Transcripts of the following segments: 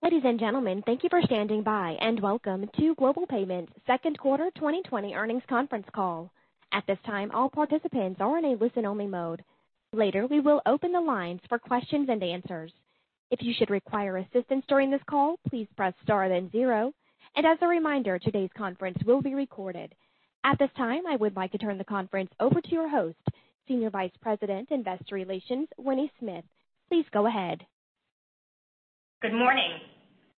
Ladies and gentlemen, thank you for standing by, and Welcome to Global Payments' Second Quarter 2020 Earnings Conference Call. At this time, all participants are in a listen-only mode. Later, we will open the lines for questions and answers. If you should require assistance during this call, please press star then 0. As a reminder, today's conference will be recorded. At this time, I would like to turn the conference over to your host, Senior Vice President, Investor Relations, Winnie Smith. Please go ahead. Good morning,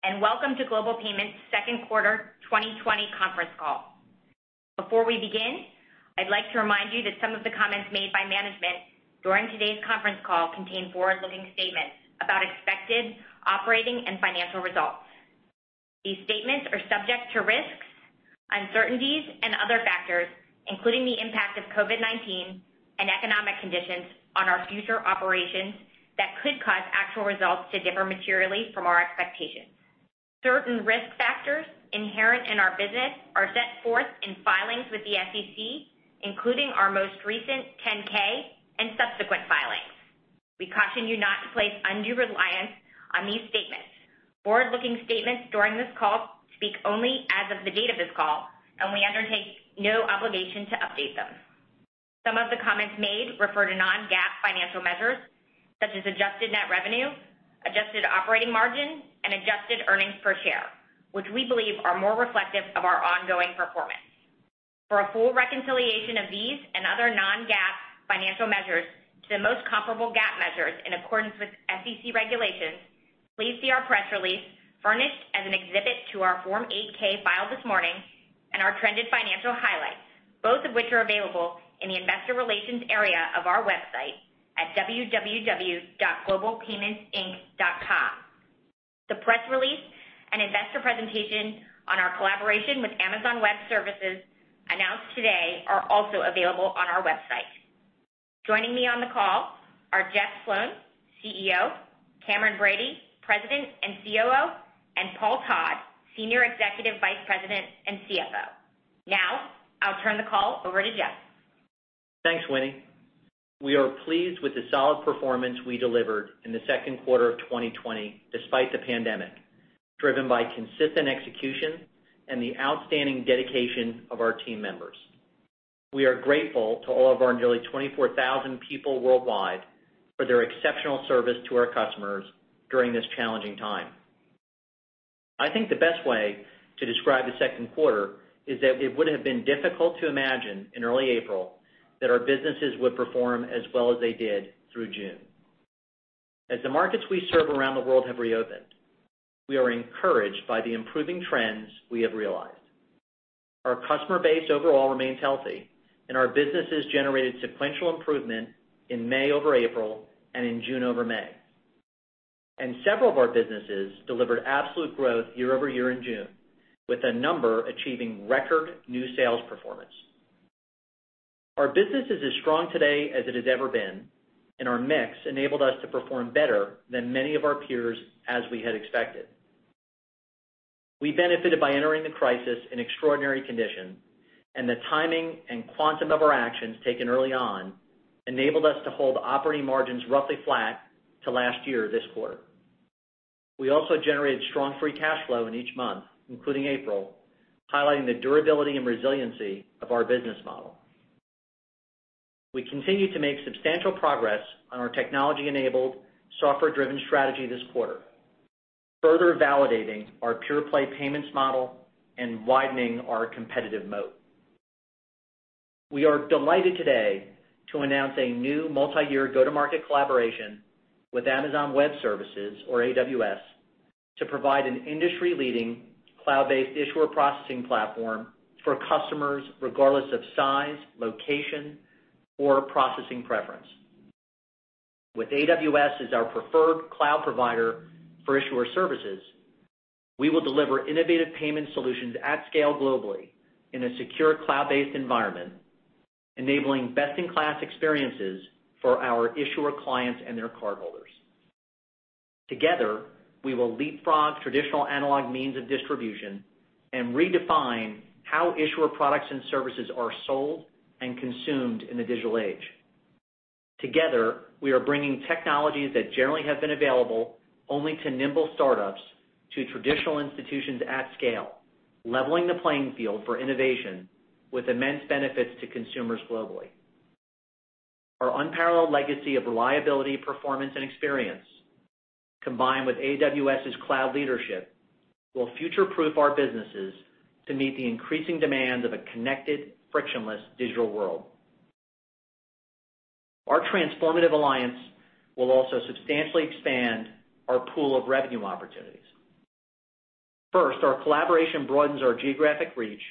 and Welcome to Global Payments' Second Quarter 2020 conference call. Before we begin, I'd like to remind you that some of the comments made by management during today's conference call contain forward-looking statements about expected operating and financial results. These statements are subject to risks, uncertainties, and other factors, including the impact of COVID-19 and economic conditions on our future operations that could cause actual results to differ materially from our expectations. Certain risk factors inherent in our business are set forth in filings with the SEC, including our most recent 10-K and subsequent filings. We caution you not to place undue reliance on these statements. Forward-looking statements during this call speak only as of the date of this call, and we undertake no obligation to update them. Some of the comments made refer to non-GAAP financial measures, such as adjusted net revenue, adjusted operating margin, and adjusted earnings per share, which we believe are more reflective of our ongoing performance. For a full reconciliation of these and other non-GAAP financial measures to the most comparable GAAP measures in accordance with SEC regulations, please see our press release furnished as an exhibit to our Form 8-K filed this morning and our trended financial highlights, both of which are available in the investor relations area of our website at www.globalpaymentsinc.com. The press release and investor presentation on our collaboration with Amazon Web Services announced today are also available on our website. Joining me on the call are Jeff Sloan, CEO, Cameron Bready, President and COO, and Paul Todd, Senior Executive Vice President and CFO. Now, I'll turn the call over to Jeff. Thanks, Winnie. We are pleased with the solid performance we delivered in the second quarter of 2020 despite the pandemic, driven by consistent execution and the outstanding dedication of our team members. We are grateful to all of our nearly 24,000 people worldwide for their exceptional service to our customers during this challenging time. I think the best way to describe the second quarter is that it would have been difficult to imagine in early April that our businesses would perform as well as they did through June. As the markets we serve around the world have reopened, we are encouraged by the improving trends we have realized. Our customer base overall remains healthy. Our businesses generated sequential improvement in May over April and in June over May. Several of our businesses delivered absolute growth year-over-year in June, with a number achieving record new sales performance. Our business is as strong today as it has ever been, and our mix enabled us to perform better than many of our peers as we had expected. We benefited by entering the crisis in extraordinary condition, and the timing and quantum of our actions taken early on enabled us to hold operating margins roughly flat to last year this quarter. We also generated strong free cash flow in each month, including April, highlighting the durability and resiliency of our business model. We continue to make substantial progress on our technology-enabled, software-driven strategy this quarter, further validating our pure-play payments model and widening our competitive moat. We are delighted today to announce a new multi-year go-to-market collaboration with Amazon Web Services, or AWS, to provide an industry-leading cloud-based issuer processing platform for customers regardless of size, location, or processing preference. With AWS as our preferred cloud provider for issuer services, we will deliver innovative payment solutions at scale globally in a secure cloud-based environment, enabling best-in-class experiences for our issuer clients and their cardholders. Together, we will leapfrog traditional analog means of distribution and redefine how issuer products and services are sold and consumed in the digital age. Together, we are bringing technologies that generally have been available only to nimble startups to traditional institutions at scale, leveling the playing field for innovation with immense benefits to consumers globally. Our unparalleled legacy of reliability, performance, and experience, combined with AWS's cloud leadership, will future-proof our businesses to meet the increasing demands of a connected, frictionless digital world. Our transformative alliance will also substantially expand our pool of revenue opportunities. First, our collaboration broadens our geographic reach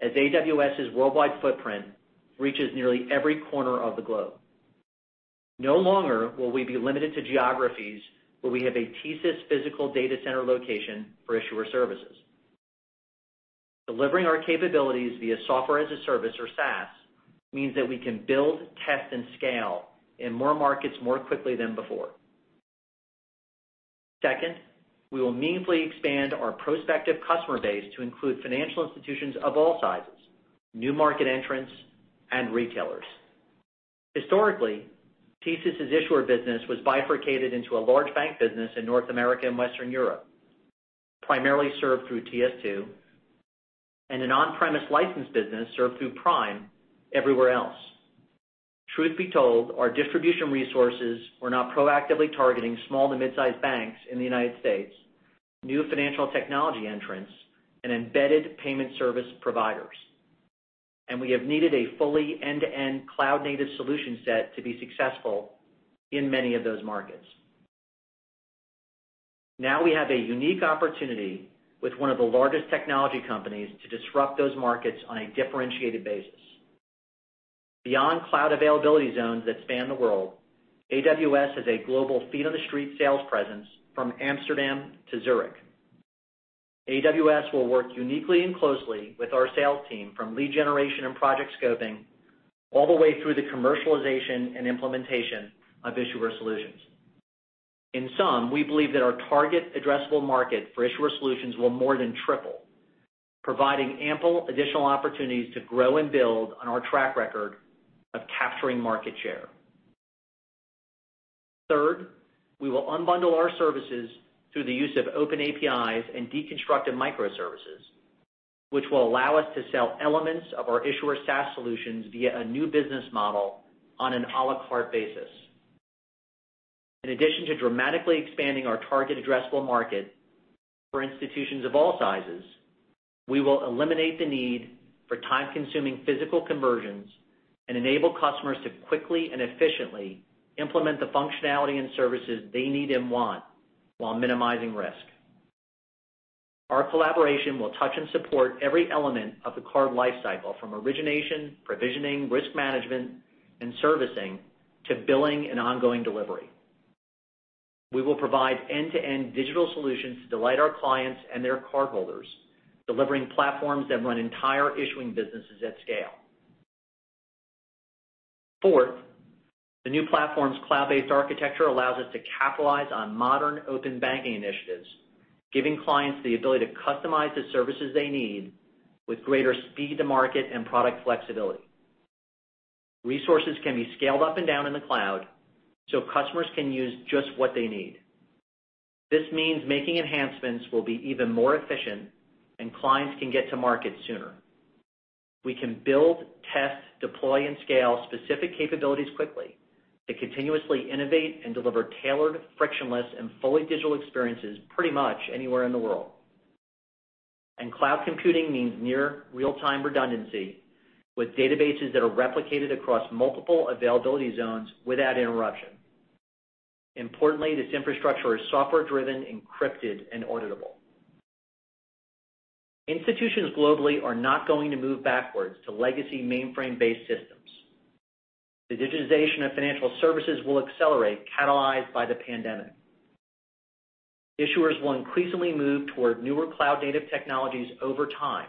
as AWS's worldwide footprint reaches nearly every corner of the globe. No longer will we be limited to geographies where we have a TSYS physical data center location for issuer services. Delivering our capabilities via software-as-a-service, or SaaS, means that we can build, test, and scale in more markets more quickly than before. Second, we will meaningfully expand our prospective customer base to include financial institutions of all sizes, new market entrants, and retailers. Historically, TSYS' issuer business was bifurcated into a large bank business in North America and Western Europe, primarily served through TS2, and an on-premise license business served through Prime everywhere else. Truth be told, our distribution resources were not proactively targeting small to mid-size banks in the U.S., new financial technology entrants, and embedded payment service providers. We have needed a fully end-to-end cloud-native solution set to be successful in many of those markets. Now we have a unique opportunity with one of the largest technology companies to disrupt those markets on a differentiated basis. Beyond cloud availability zones that span the world, AWS has a global feet-on-the-street sales presence from Amsterdam to Zurich. AWS will work uniquely and closely with our sales team from lead generation and project scoping all the way through the commercialization and implementation of issuer solutions. In sum, we believe that our target addressable market for issuer solutions will more than triple, providing ample additional opportunities to grow and build on our track record of capturing market share. Third, we will unbundle our services through the use of open APIs and deconstructive microservices, which will allow us to sell elements of our issuer SaaS solutions via a new business model on an à la carte basis. In addition to dramatically expanding our target addressable market for institutions of all sizes, we will eliminate the need for time-consuming physical conversions and enable customers to quickly and efficiently implement the functionality and services they need and want while minimizing risk. Our collaboration will touch and support every element of the card lifecycle, from origination, provisioning, risk management, and servicing, to billing and ongoing delivery. We will provide end-to-end digital solutions to delight our clients and their cardholders, delivering platforms that run entire issuing businesses at scale. Fourth, the new platform's cloud-based architecture allows us to capitalize on modern open banking initiatives, giving clients the ability to customize the services they need with greater speed to market and product flexibility. Resources can be scaled up and down in the cloud so customers can use just what they need. This means making enhancements will be even more efficient and clients can get to market sooner. We can build, test, deploy, and scale specific capabilities quickly to continuously innovate and deliver tailored, frictionless, and fully digital experiences pretty much anywhere in the world. Cloud computing means near real-time redundancy with databases that are replicated across multiple availability zones without interruption. Importantly, this infrastructure is software-driven, encrypted, and auditable. Institutions globally are not going to move backwards to legacy mainframe-based systems. The digitization of financial services will accelerate, catalyzed by the pandemic. Issuers will increasingly move toward newer cloud-native technologies over time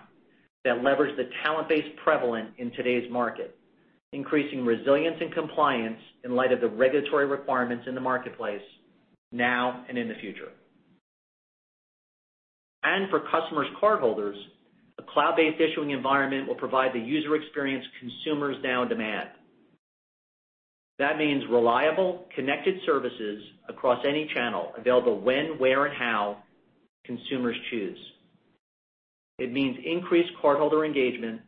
that leverage the talent base prevalent in today's market, increasing resilience and compliance in light of the regulatory requirements in the marketplace now and in the future. For customers' cardholders, a cloud-based issuing environment will provide the user experience consumers now demand. That means reliable, connected services across any channel available when, where, and how consumers choose. It means increased cardholder engagement,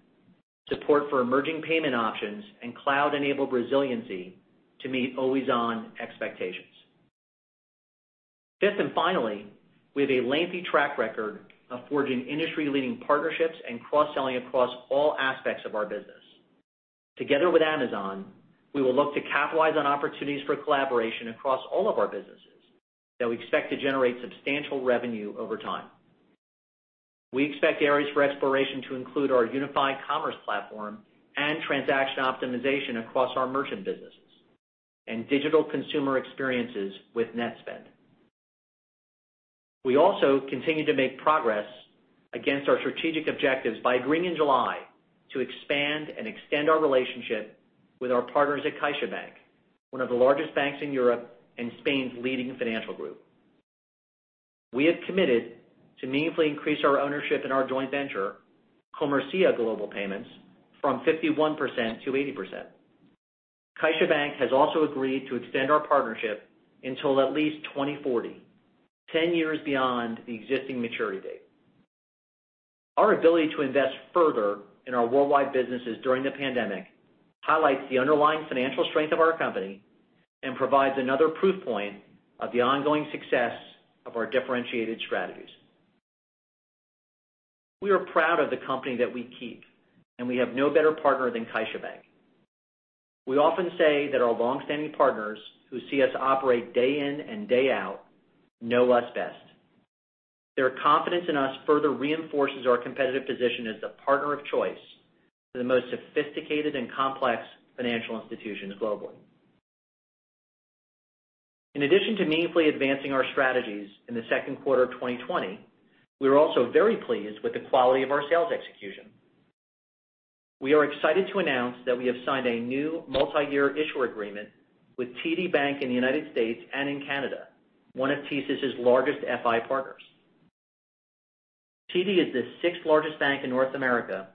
support for emerging payment options, and cloud-enabled resiliency to meet always-on expectations. Fifth and finally, we have a lengthy track record of forging industry-leading partnerships and cross-selling across all aspects of our business. Together with Amazon, we will look to capitalize on opportunities for collaboration across all of our businesses that we expect to generate substantial revenue over time. We expect areas for exploration to include our unified commerce platform and transaction optimization across our merchant businesses, and digital consumer experiences with NetSpend. We also continue to make progress against our strategic objectives by agreeing in July to expand and extend our relationship with our partners at CaixaBank, one of the largest banks in Europe and Spain's leading financial group. We have committed to meaningfully increase our ownership in our joint venture, Comercia Global Payments, from 51% to 80%. CaixaBank has also agreed to extend our partnership until at least 2040, 10 years beyond the existing maturity date. Our ability to invest further in our worldwide businesses during the pandemic highlights the underlying financial strength of our company and provides another proof point of the ongoing success of our differentiated strategies. We are proud of the company that we keep, and we have no better partner than CaixaBank. We often say that our long-standing partners who see us operate day in and day out know us best. Their confidence in us further reinforces our competitive position as the partner of choice for the most sophisticated and complex financial institutions globally. In addition to meaningfully advancing our strategies in the second quarter of 2020, we are also very pleased with the quality of our sales execution. We are excited to announce that we have signed a new multi-year issuer agreement with TD Bank in the U.S. and in Canada, one of TSYS' largest FI partners. TD is the sixth-largest bank in North America,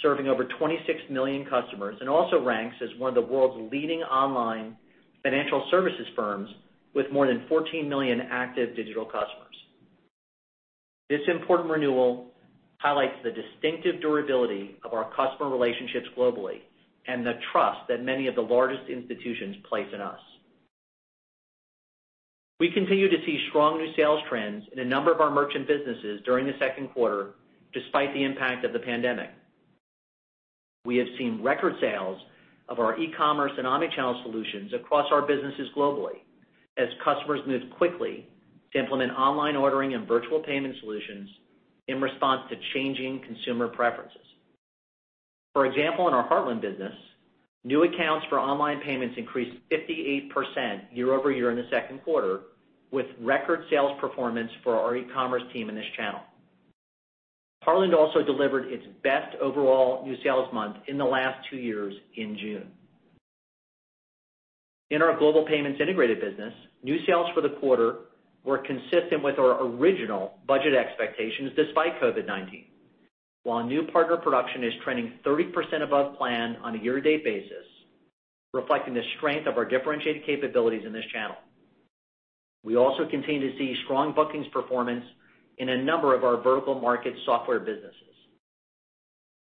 serving over 26 million customers, and also ranks as one of the world's leading online financial services firms with more than 14 million active digital customers. This important renewal highlights the distinctive durability of our customer relationships globally and the trust that many of the largest institutions place in us. We continue to see strong new sales trends in a number of our merchant businesses during the second quarter, despite the impact of the pandemic. We have seen record sales of our e-commerce and omni-channel solutions across our businesses globally as customers moved quickly to implement online ordering and virtual payment solutions in response to changing consumer preferences. For example, in our Heartland business, new accounts for online payments increased 58% year-over-year in the second quarter with record sales performance for our e-commerce team in this channel. Heartland also delivered its best overall new sales month in the last two years in June. In our Global Payments Integrated business, new sales for the quarter were consistent with our original budget expectations despite COVID-19. New partner production is trending 30% above plan on a year-to-date basis, reflecting the strength of our differentiated capabilities in this channel. We also continue to see strong bookings performance in a number of our vertical market software businesses.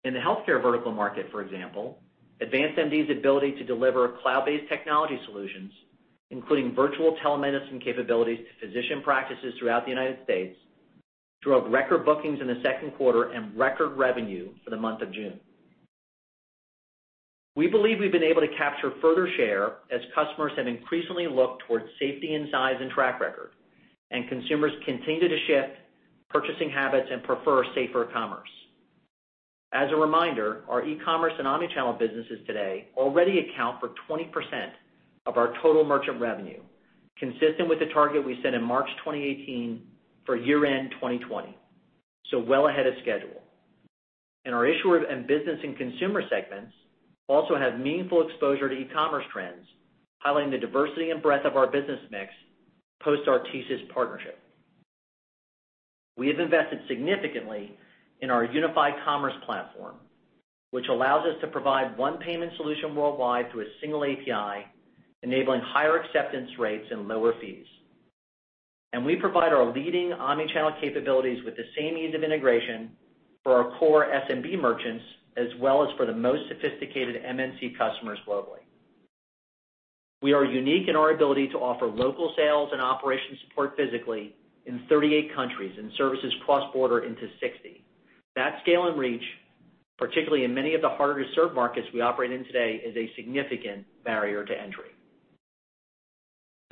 In the healthcare vertical market, for example, AdvancedMD's ability to deliver cloud-based technology solutions, including virtual telemedicine capabilities to physician practices throughout the United States, drove record bookings in the second quarter and record revenue for the month of June. We believe we've been able to capture further share as customers have increasingly looked towards safety in size and track record, and consumers continue to shift purchasing habits and prefer safer commerce. As a reminder, our e-commerce and omni-channel businesses today already account for 20% of our total merchant revenue, consistent with the target we set in March 2018 for year-end 2020, so well ahead of schedule. Our issuer and business and consumer segments also have meaningful exposure to e-commerce trends, highlighting the diversity and breadth of our business mix post our TSYS partnership. We have invested significantly in our unified commerce platform, which allows us to provide one payment solution worldwide through a single API, enabling higher acceptance rates and lower fees. We provide our leading omni-channel capabilities with the same ease of integration for our core SMB merchants, as well as for the most sophisticated MNC customers globally. We are unique in our ability to offer local sales and operation support physically in 38 countries and services cross-border into 60. That scale and reach, particularly in many of the harder-to-serve markets we operate in today, is a significant barrier to entry.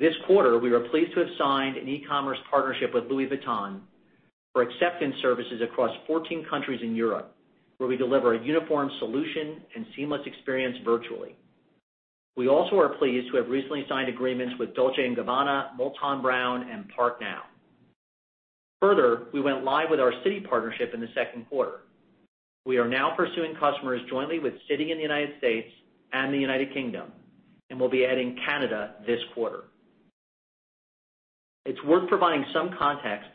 This quarter, we were pleased to have signed an e-commerce partnership with Louis Vuitton for acceptance services across 14 countries in Europe, where we deliver a uniform solution and seamless experience virtually. We also are pleased to have recently signed agreements with Dolce & Gabbana, Molton Brown, and PARK NOW. Further, we went live with our Citi partnership in the second quarter. We are now pursuing customers jointly with Citi in the U.S. and the U.K., and will be adding Canada this quarter. It's worth providing some context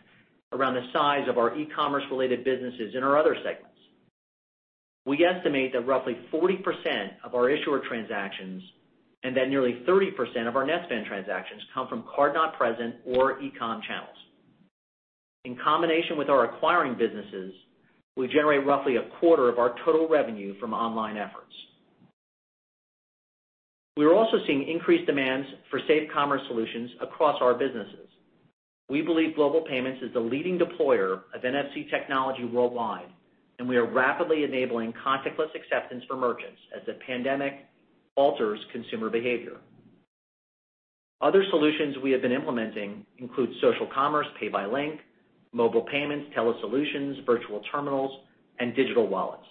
around the size of our e-commerce-related businesses in our other segments. We estimate that roughly 40% of our issuer transactions and that nearly 30% of our NetSpend transactions come from card-not-present or e-com channels. In combination with our acquiring businesses, we generate roughly a quarter of our total revenue from online efforts. We are also seeing increased demands for safe commerce solutions across our businesses. We believe Global Payments is the leading deployer of NFC technology worldwide, and we are rapidly enabling contactless acceptance for merchants as the pandemic alters consumer behavior. Other solutions we have been implementing include social commerce, pay by link, mobile payments, tele solutions, virtual terminals, and digital wallets.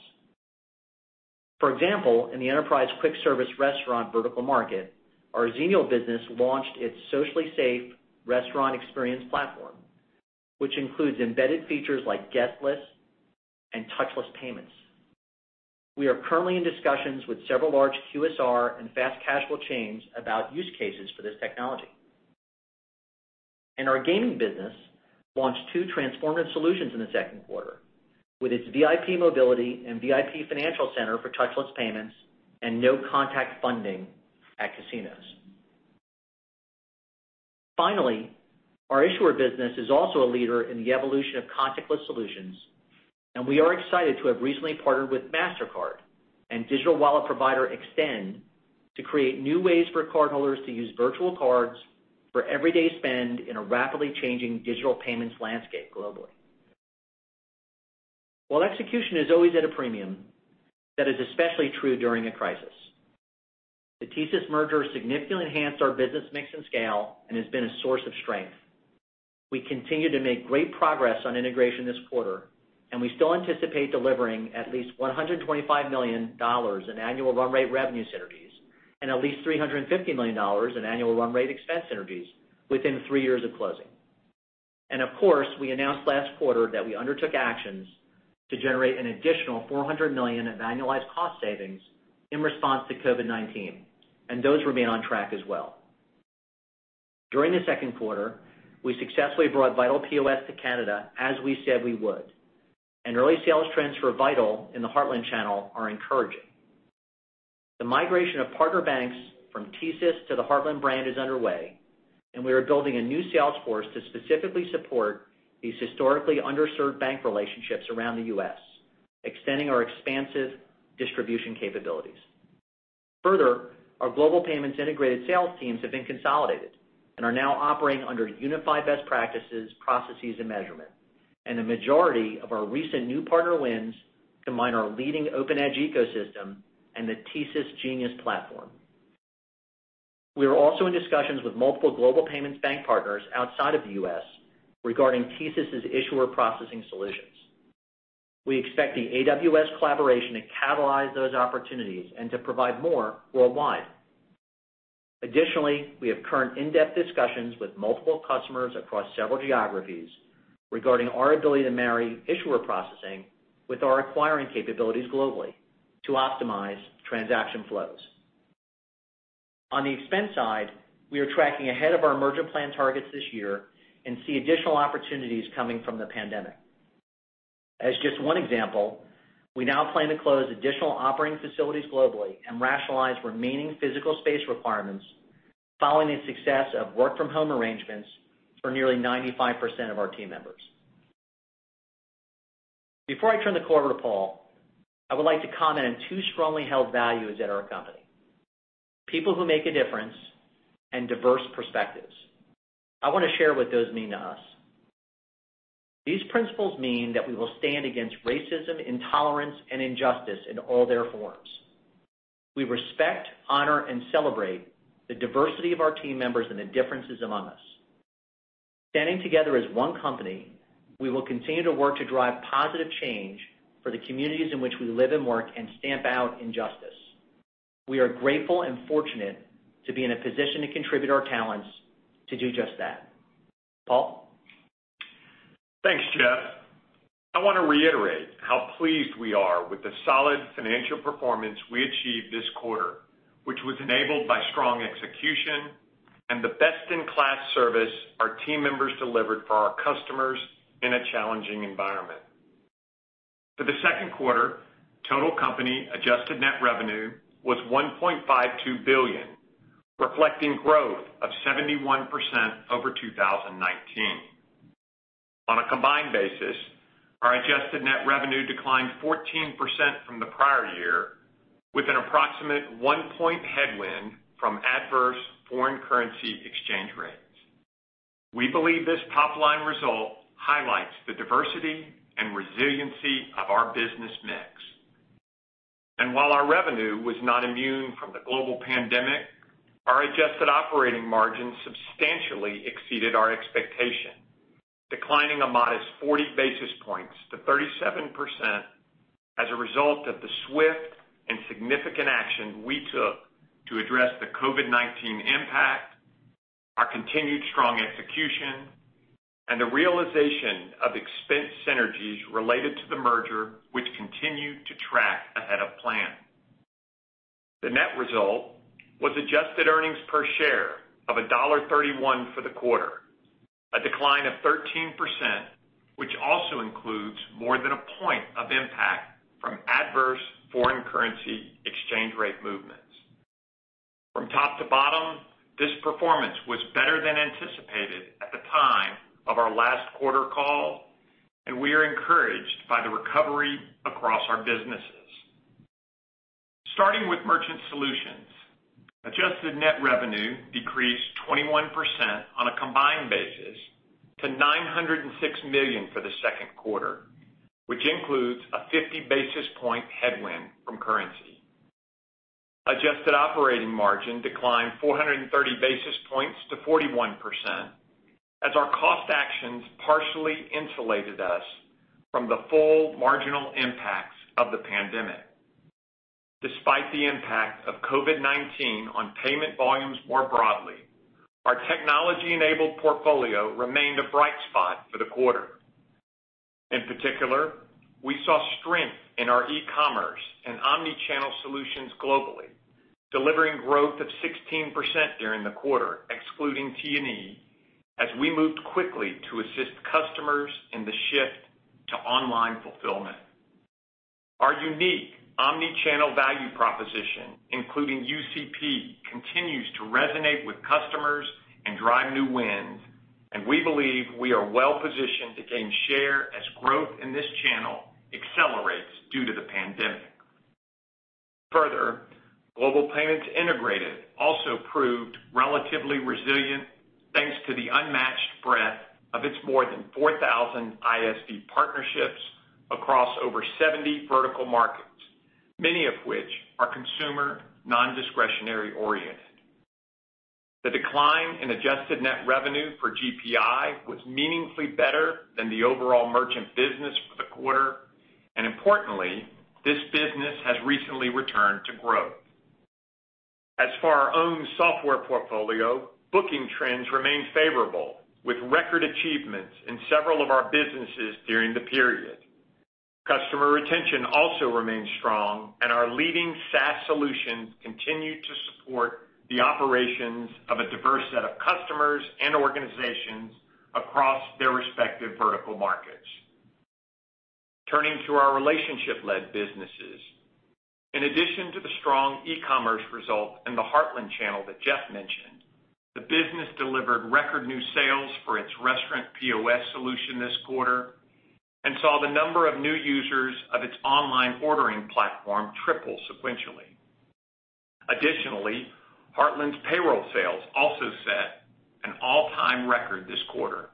For example, in the enterprise quick-service restaurant vertical market, our Xenial business launched its socially safe restaurant experience platform, which includes embedded features like guest lists and touchless payments. We are currently in discussions with several large QSR and fast casual chains about use cases for this technology. Our gaming business launched two transformative solutions in the second quarter with its VIP Mobility and VIP Financial Center for touchless payments and no-contact funding at casinos. Our issuer business is also a leader in the evolution of contactless solutions, and we are excited to have recently partnered with Mastercard and digital wallet provider Extend to create new ways for cardholders to use virtual cards for everyday spend in a rapidly changing digital payments landscape globally. While execution is always at a premium, that is especially true during a crisis. The TSYS merger significantly enhanced our business mix and scale and has been a source of strength. We continue to make great progress on integration this quarter, and we still anticipate delivering at least $125 million in annual run rate revenue synergies and at least $350 million in annual run rate expense synergies within three years of closing. [And,] of course, we announced last quarter that we undertook actions to generate an additional $400 million in annualized cost savings in response to COVID-19, and those remain on track as well. During the second quarter, we successfully brought Vital POS to Canada, as we said we would. Early sales trends for Vital in the Heartland channel are encouraging. The migration of partner banks from TSYS to the Heartland brand is underway. We are building a new sales force to specifically support these historically underserved bank relationships around the U.S., extending our expansive distribution capabilities. Further, our Global Payments Integrated sales teams have been consolidated and are now operating under unified best practices, processes, and measurement. The majority of our recent new partner wins combine our leading OpenEdge ecosystem and the TSYS Genius platform. We are also in discussions with multiple Global Payments bank partners outside of the U.S. regarding TSYS' issuer processing solutions. We expect the AWS collaboration to catalyze those opportunities and to provide more worldwide. Additionally, we have current in-depth discussions with multiple customers across several geographies regarding our ability to marry issuer processing with our acquiring capabilities globally to optimize transaction flows. On the expense side, we are tracking ahead of our merger plan targets this year and see additional opportunities coming from the pandemic. As just one example, we now plan to close additional operating facilities globally and rationalize remaining physical space requirements following the success of work-from-home arrangements for nearly 95% of our team members. Before I turn the call over to Paul, I would like to comment on two strongly held values at our company, people who make a difference and diverse perspectives. I want to share what those mean to us. These principles mean that we will stand against racism, intolerance, and injustice in all their forms. We respect, honor, and celebrate the diversity of our team members and the differences among us. Standing together as one company, we will continue to work to drive positive change for the communities in which we live and work and stamp out injustice. We are grateful and fortunate to be in a position to contribute our talents to do just that. Paul? Thanks, Jeff. I want to reiterate how pleased we are with the solid financial performance we achieved this quarter, which was enabled by strong execution and the best-in-class service our team members delivered for our customers in a challenging environment. For the second quarter, total company adjusted net revenue was $1.52 billion, reflecting growth of 71% over 2019. On a combined basis, our adjusted net revenue declined 14% from the prior year with an approximate one-point headwind from adverse foreign currency exchange rates. We believe this top-line result highlights the diversity and resiliency of our business mix. While our revenue was not immune from the global pandemic, our adjusted operating margin substantially exceeded our expectation, declining a modest 40 basis points to 37% as a result of the swift and significant action we took to address the COVID-19 impact, our continued strong execution, and the realization of expense synergies related to the merger, which continued to track ahead of plan. The net result was adjusted earnings per share of $1.31 for the quarter, a decline of 13%, which also includes more than a 1 point of impact from adverse foreign currency exchange rate movements. From top to bottom, this performance was better than anticipated at the time of our last quarter call, and we are encouraged by the recovery across our businesses. Starting with Merchant Solutions, adjusted net revenue decreased 21% on a combined basis to $906 million for the second quarter, which includes a 50-basis-point headwind from currency. Adjusted operating margin declined 430 basis points to 41% as our cost actions partially insulated us from the full marginal impacts of the pandemic. Despite the impact of COVID-19 on payment volumes more broadly, our technology-enabled portfolio remained a bright spot for the quarter. In particular, we saw strength in our e-commerce and omni-channel solutions globally, delivering growth of 16% during the quarter, excluding T&E, as we moved quickly to assist customers in the shift to online fulfillment. Our unique omni-channel value proposition, including UCP, continues to resonate with customers and drive new wins, and we believe we are well-positioned to gain share as growth in this channel accelerates due to the pandemic. Further, Global Payments Integrated also proved relatively resilient, thanks to the unmatched breadth of its more than 4,000 ISV partnerships across over 70 vertical markets, many of which are consumer non-discretionary-oriented. The decline in adjusted net revenue for Global Payments Integrated was meaningfully better than the overall merchant business for the quarter. Importantly, this business has recently returned to growth. As for our own software portfolio, booking trends remain favorable, with record achievements in several of our businesses during the period. Customer retention also remains strong, and our leading SaaS solutions continue to support the operations of a diverse set of customers and organizations across their respective vertical markets. Turning to our relationship-led businesses. In addition to the strong e-commerce result in the Heartland channel that Jeff mentioned, the business delivered record new sales for its restaurant POS solution this quarter, and saw the number of new users of its online ordering platform triple sequentially. Additionally, Heartland's payroll sales also set an all-time record this quarter.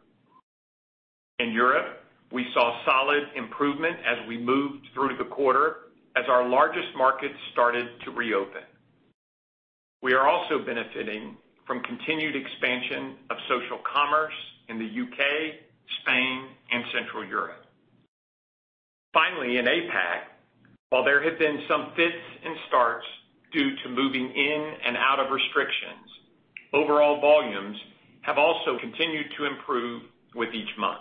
In Europe, we saw solid improvement as we moved through the quarter as our largest markets started to reopen. We are also benefiting from continued expansion of social commerce in the U.K., Spain, and Central Europe. Finally, in APAC, while there have been some fits and starts due to moving in and out of restrictions, overall volumes have also continued to improve with each month.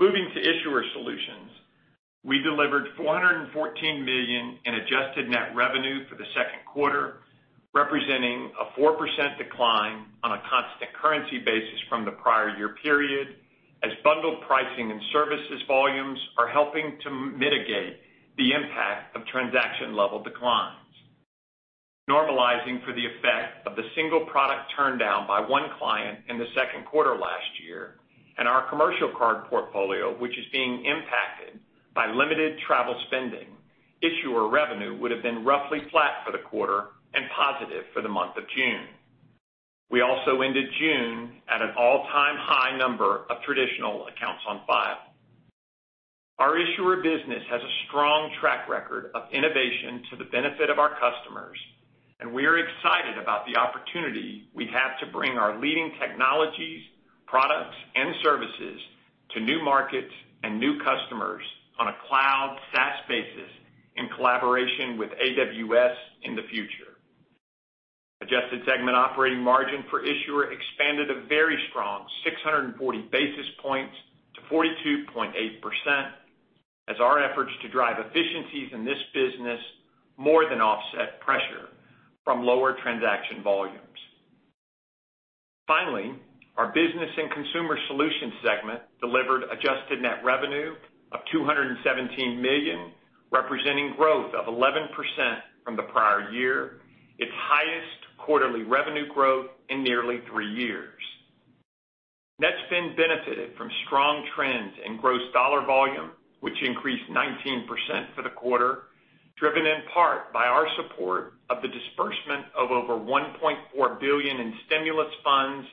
Moving to Issuer Solutions. We delivered $414 million in adjusted net revenue for the second quarter, representing a 4% decline on a constant currency basis from the prior year period, as bundled pricing and services volumes are helping to mitigate the impact of transaction-level declines. Normalizing for the effect of the single product turndown by one client in the second quarter last year and our commercial card portfolio, which is being impacted by limited travel spending, issuer revenue would've been roughly flat for the quarter and positive for the month of June. We also ended June at an all-time high number of traditional accounts on file. Our issuer business has a strong track record of innovation to the benefit of our customers, and we are excited about the opportunity we have to bring our leading technologies, products, and services to new markets and new customers on a cloud SaaS basis in collaboration with AWS in the future. Adjusted segment operating margin for issuer expanded a very strong 640 basis points to 42.8% as our efforts to drive efficiencies in this business more than offset pressure from lower transaction volumes. Finally, our business and consumer solutions segment delivered adjusted net revenue of $217 million, representing growth of 11% from the prior year, its highest quarterly revenue growth in nearly three years. NetSpend benefited from strong trends in gross dollar volume, which increased 19% for the quarter, driven in part by our support of the disbursement of over $1.4 billion in stimulus funds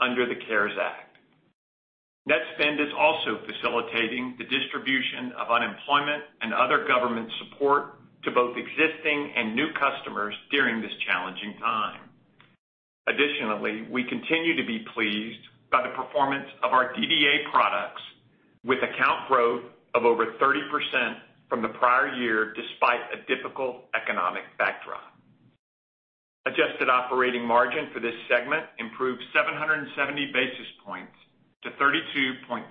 under the CARES Act. NetSpend is also facilitating the distribution of unemployment and other government support to both existing and new customers during this challenging time. Additionally, we continue to be pleased by the performance of our DDA products with account growth of over 30% from the prior year despite a difficult economic backdrop. Adjusted operating margin for this segment improved 770 basis points to 32.3%.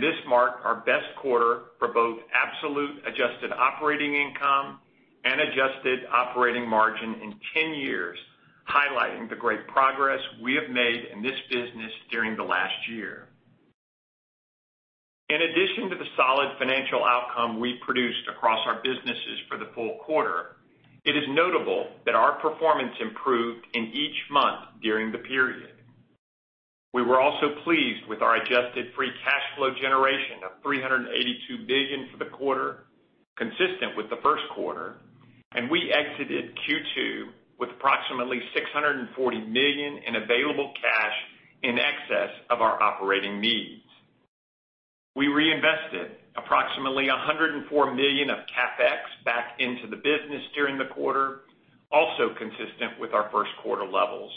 This marked our best quarter for both absolute adjusted operating income and adjusted operating margin in 10 years, highlighting the great progress we have made in this business during the last year. In addition to the solid financial outcome we produced across our businesses for the full quarter, it is notable that our performance improved in each month during the period. We were also pleased with our adjusted free cash flow generation of $382 million for the quarter, consistent with the first quarter, and we exited Q2 with approximately $640 million in available cash in excess of our operating needs. We reinvested approximately $104 million of CapEx back into the business during the quarter, also consistent with our first quarter levels,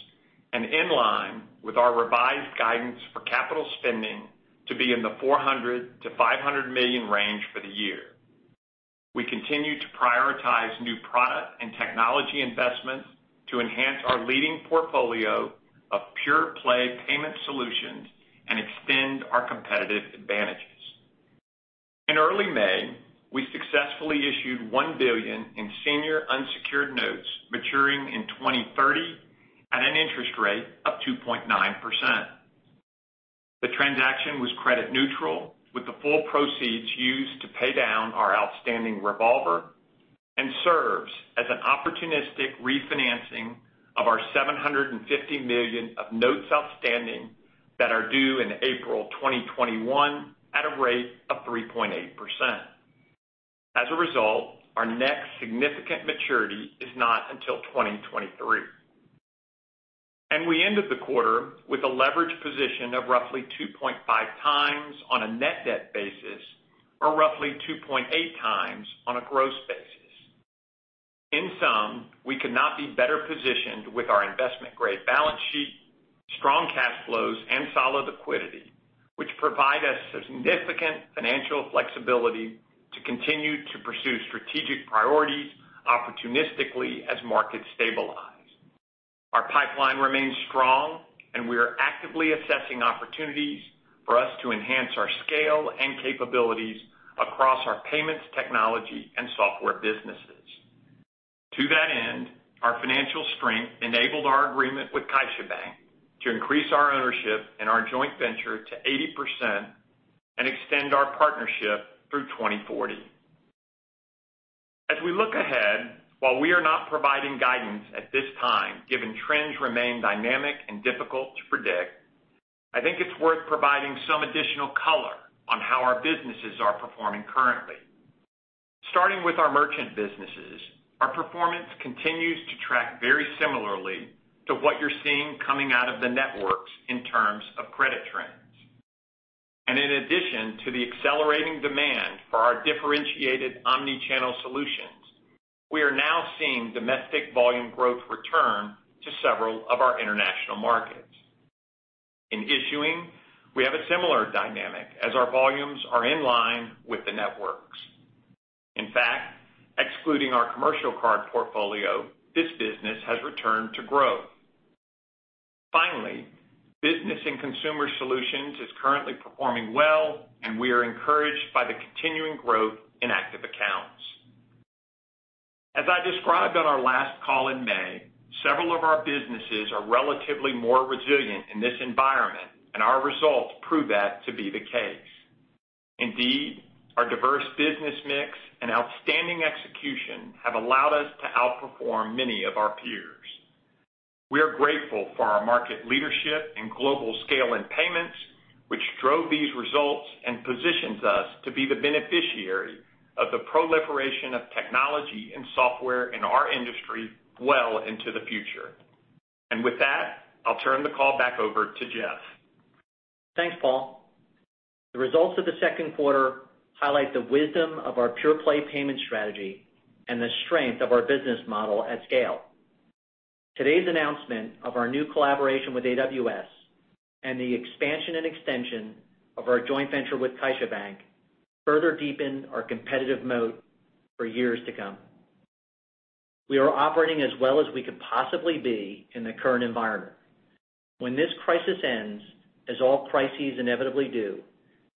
and in line with our revised guidance for capital spending to be in the $400 million-$500 million range for the year. We continue to prioritize new product and technology investments to enhance our leading portfolio of pure play payment solutions and extend our competitive advantages. In early May, we successfully issued $1 billion in senior unsecured notes maturing in 2030 at an interest rate of 2.9%. The transaction was credit neutral with the full proceeds used to pay down our outstanding revolver and serves as an opportunistic refinancing of our $750 million of notes outstanding that are due in April 2021 at a rate of 3.8%. As a result, our next significant maturity is not until 2023. We ended the quarter with a leverage position of roughly 2.5x on a net debt basis or roughly 2.8x on a gross basis. In sum, we could not be better positioned with our investment-grade balance sheet, strong cash flows, and solid liquidity, which provide us significant financial flexibility to continue to pursue strategic priorities opportunistically as markets stabilize. Our pipeline remains strong, and we are actively assessing opportunities for us to enhance our scale and capabilities across our payments, technology, and software businesses. To that end, our financial strength enabled our agreement with CaixaBank to increase our ownership in our joint venture to 80% and extend our partnership through 2040. As we look ahead, while we are not providing guidance at this time, given trends remain dynamic and difficult to predict, I think it's worth providing some additional color on how our businesses are performing currently. Starting with our merchant businesses, our performance continues to track very similarly to what you're seeing coming out of the networks in terms of credit trends. In addition to the accelerating demand for our differentiated omni-channel solutions, we are now seeing domestic volume growth return to several of our international markets. In issuing, we have a similar dynamic as our volumes are in line with the networks. In fact, excluding our commercial card portfolio, this business has returned to growth. Finally, business and consumer solutions is currently performing well, and we are encouraged by the continuing growth in active accounts. As I described on our last call in May, several of our businesses are relatively more resilient in this environment, and our results prove that to be the case. Indeed, our diverse business mix and outstanding execution have allowed us to outperform many of our peers. We are grateful for our market leadership and global scale in payments, which drove these results and positions us to be the beneficiary of the proliferation of technology and software in our industry well into the future. With that, I'll turn the call back over to Jeff. Thanks, Paul. The results of the second quarter highlight the wisdom of our pure-play payment strategy and the strength of our business model at scale. Today's announcement of our new collaboration with AWS and the expansion and extension of our joint venture with CaixaBank further deepen our competitive moat for years to come. We are operating as well as we could possibly be in the current environment. When this crisis ends, as all crises inevitably do,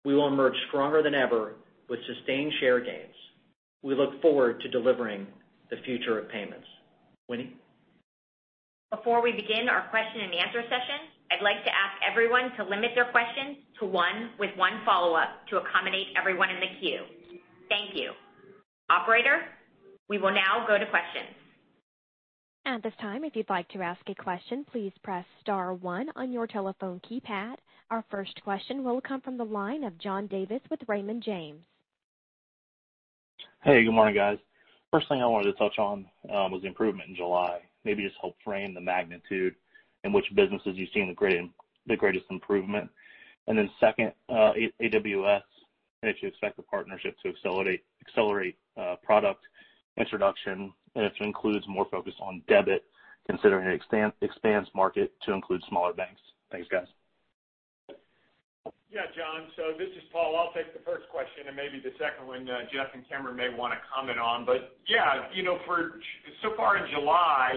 we will emerge stronger than ever with sustained share gains. We look forward to delivering the future of payments. Winnie? Before we begin our question and answer session, I'd like to ask everyone to limit their questions to one with one follow-up to accommodate everyone in the queue. Thank you. Operator, we will now go to questions. At this time, if you'd like to ask a question, please press star one on your telephone keypad. Our first question will come from the line of John Davis with Raymond James. Hey, good morning, guys. First thing I wanted to touch on was the improvement in July. Maybe just help frame the magnitude in which businesses you've seen the greatest improvement. Then second, AWS, and if you expect the partnership to accelerate product introduction, and if it includes more focus on debit, considering it expands market to include smaller banks. Thanks, guys. John, this is Paul. I'll take the first question and maybe the second one Jeff and Cameron may want to comment on. So far in July,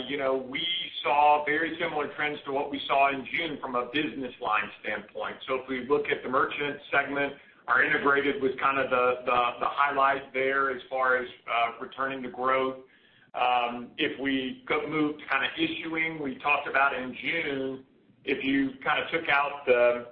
we saw very similar trends to what we saw in June from a business line standpoint. If we look at the Merchant Segment, our integrated was kind of the highlight there as far as returning to growth. If we move to kind of Issuing, we talked about in June, if you kind of took out the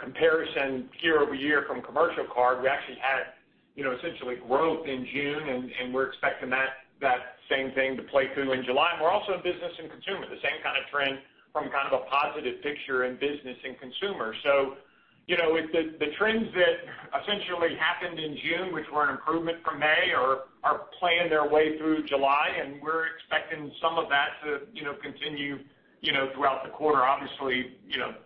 comparison year-over-year from commercial card, we actually had essentially growth in June, and we're expecting that same thing to play through in July. We're also in Business and Consumer, the same kind of trend from kind of a positive picture in Business and Consumer. The trends that essentially happened in June, which were an improvement from May, are playing their way through July, and we're expecting some of that to continue throughout the quarter. Obviously,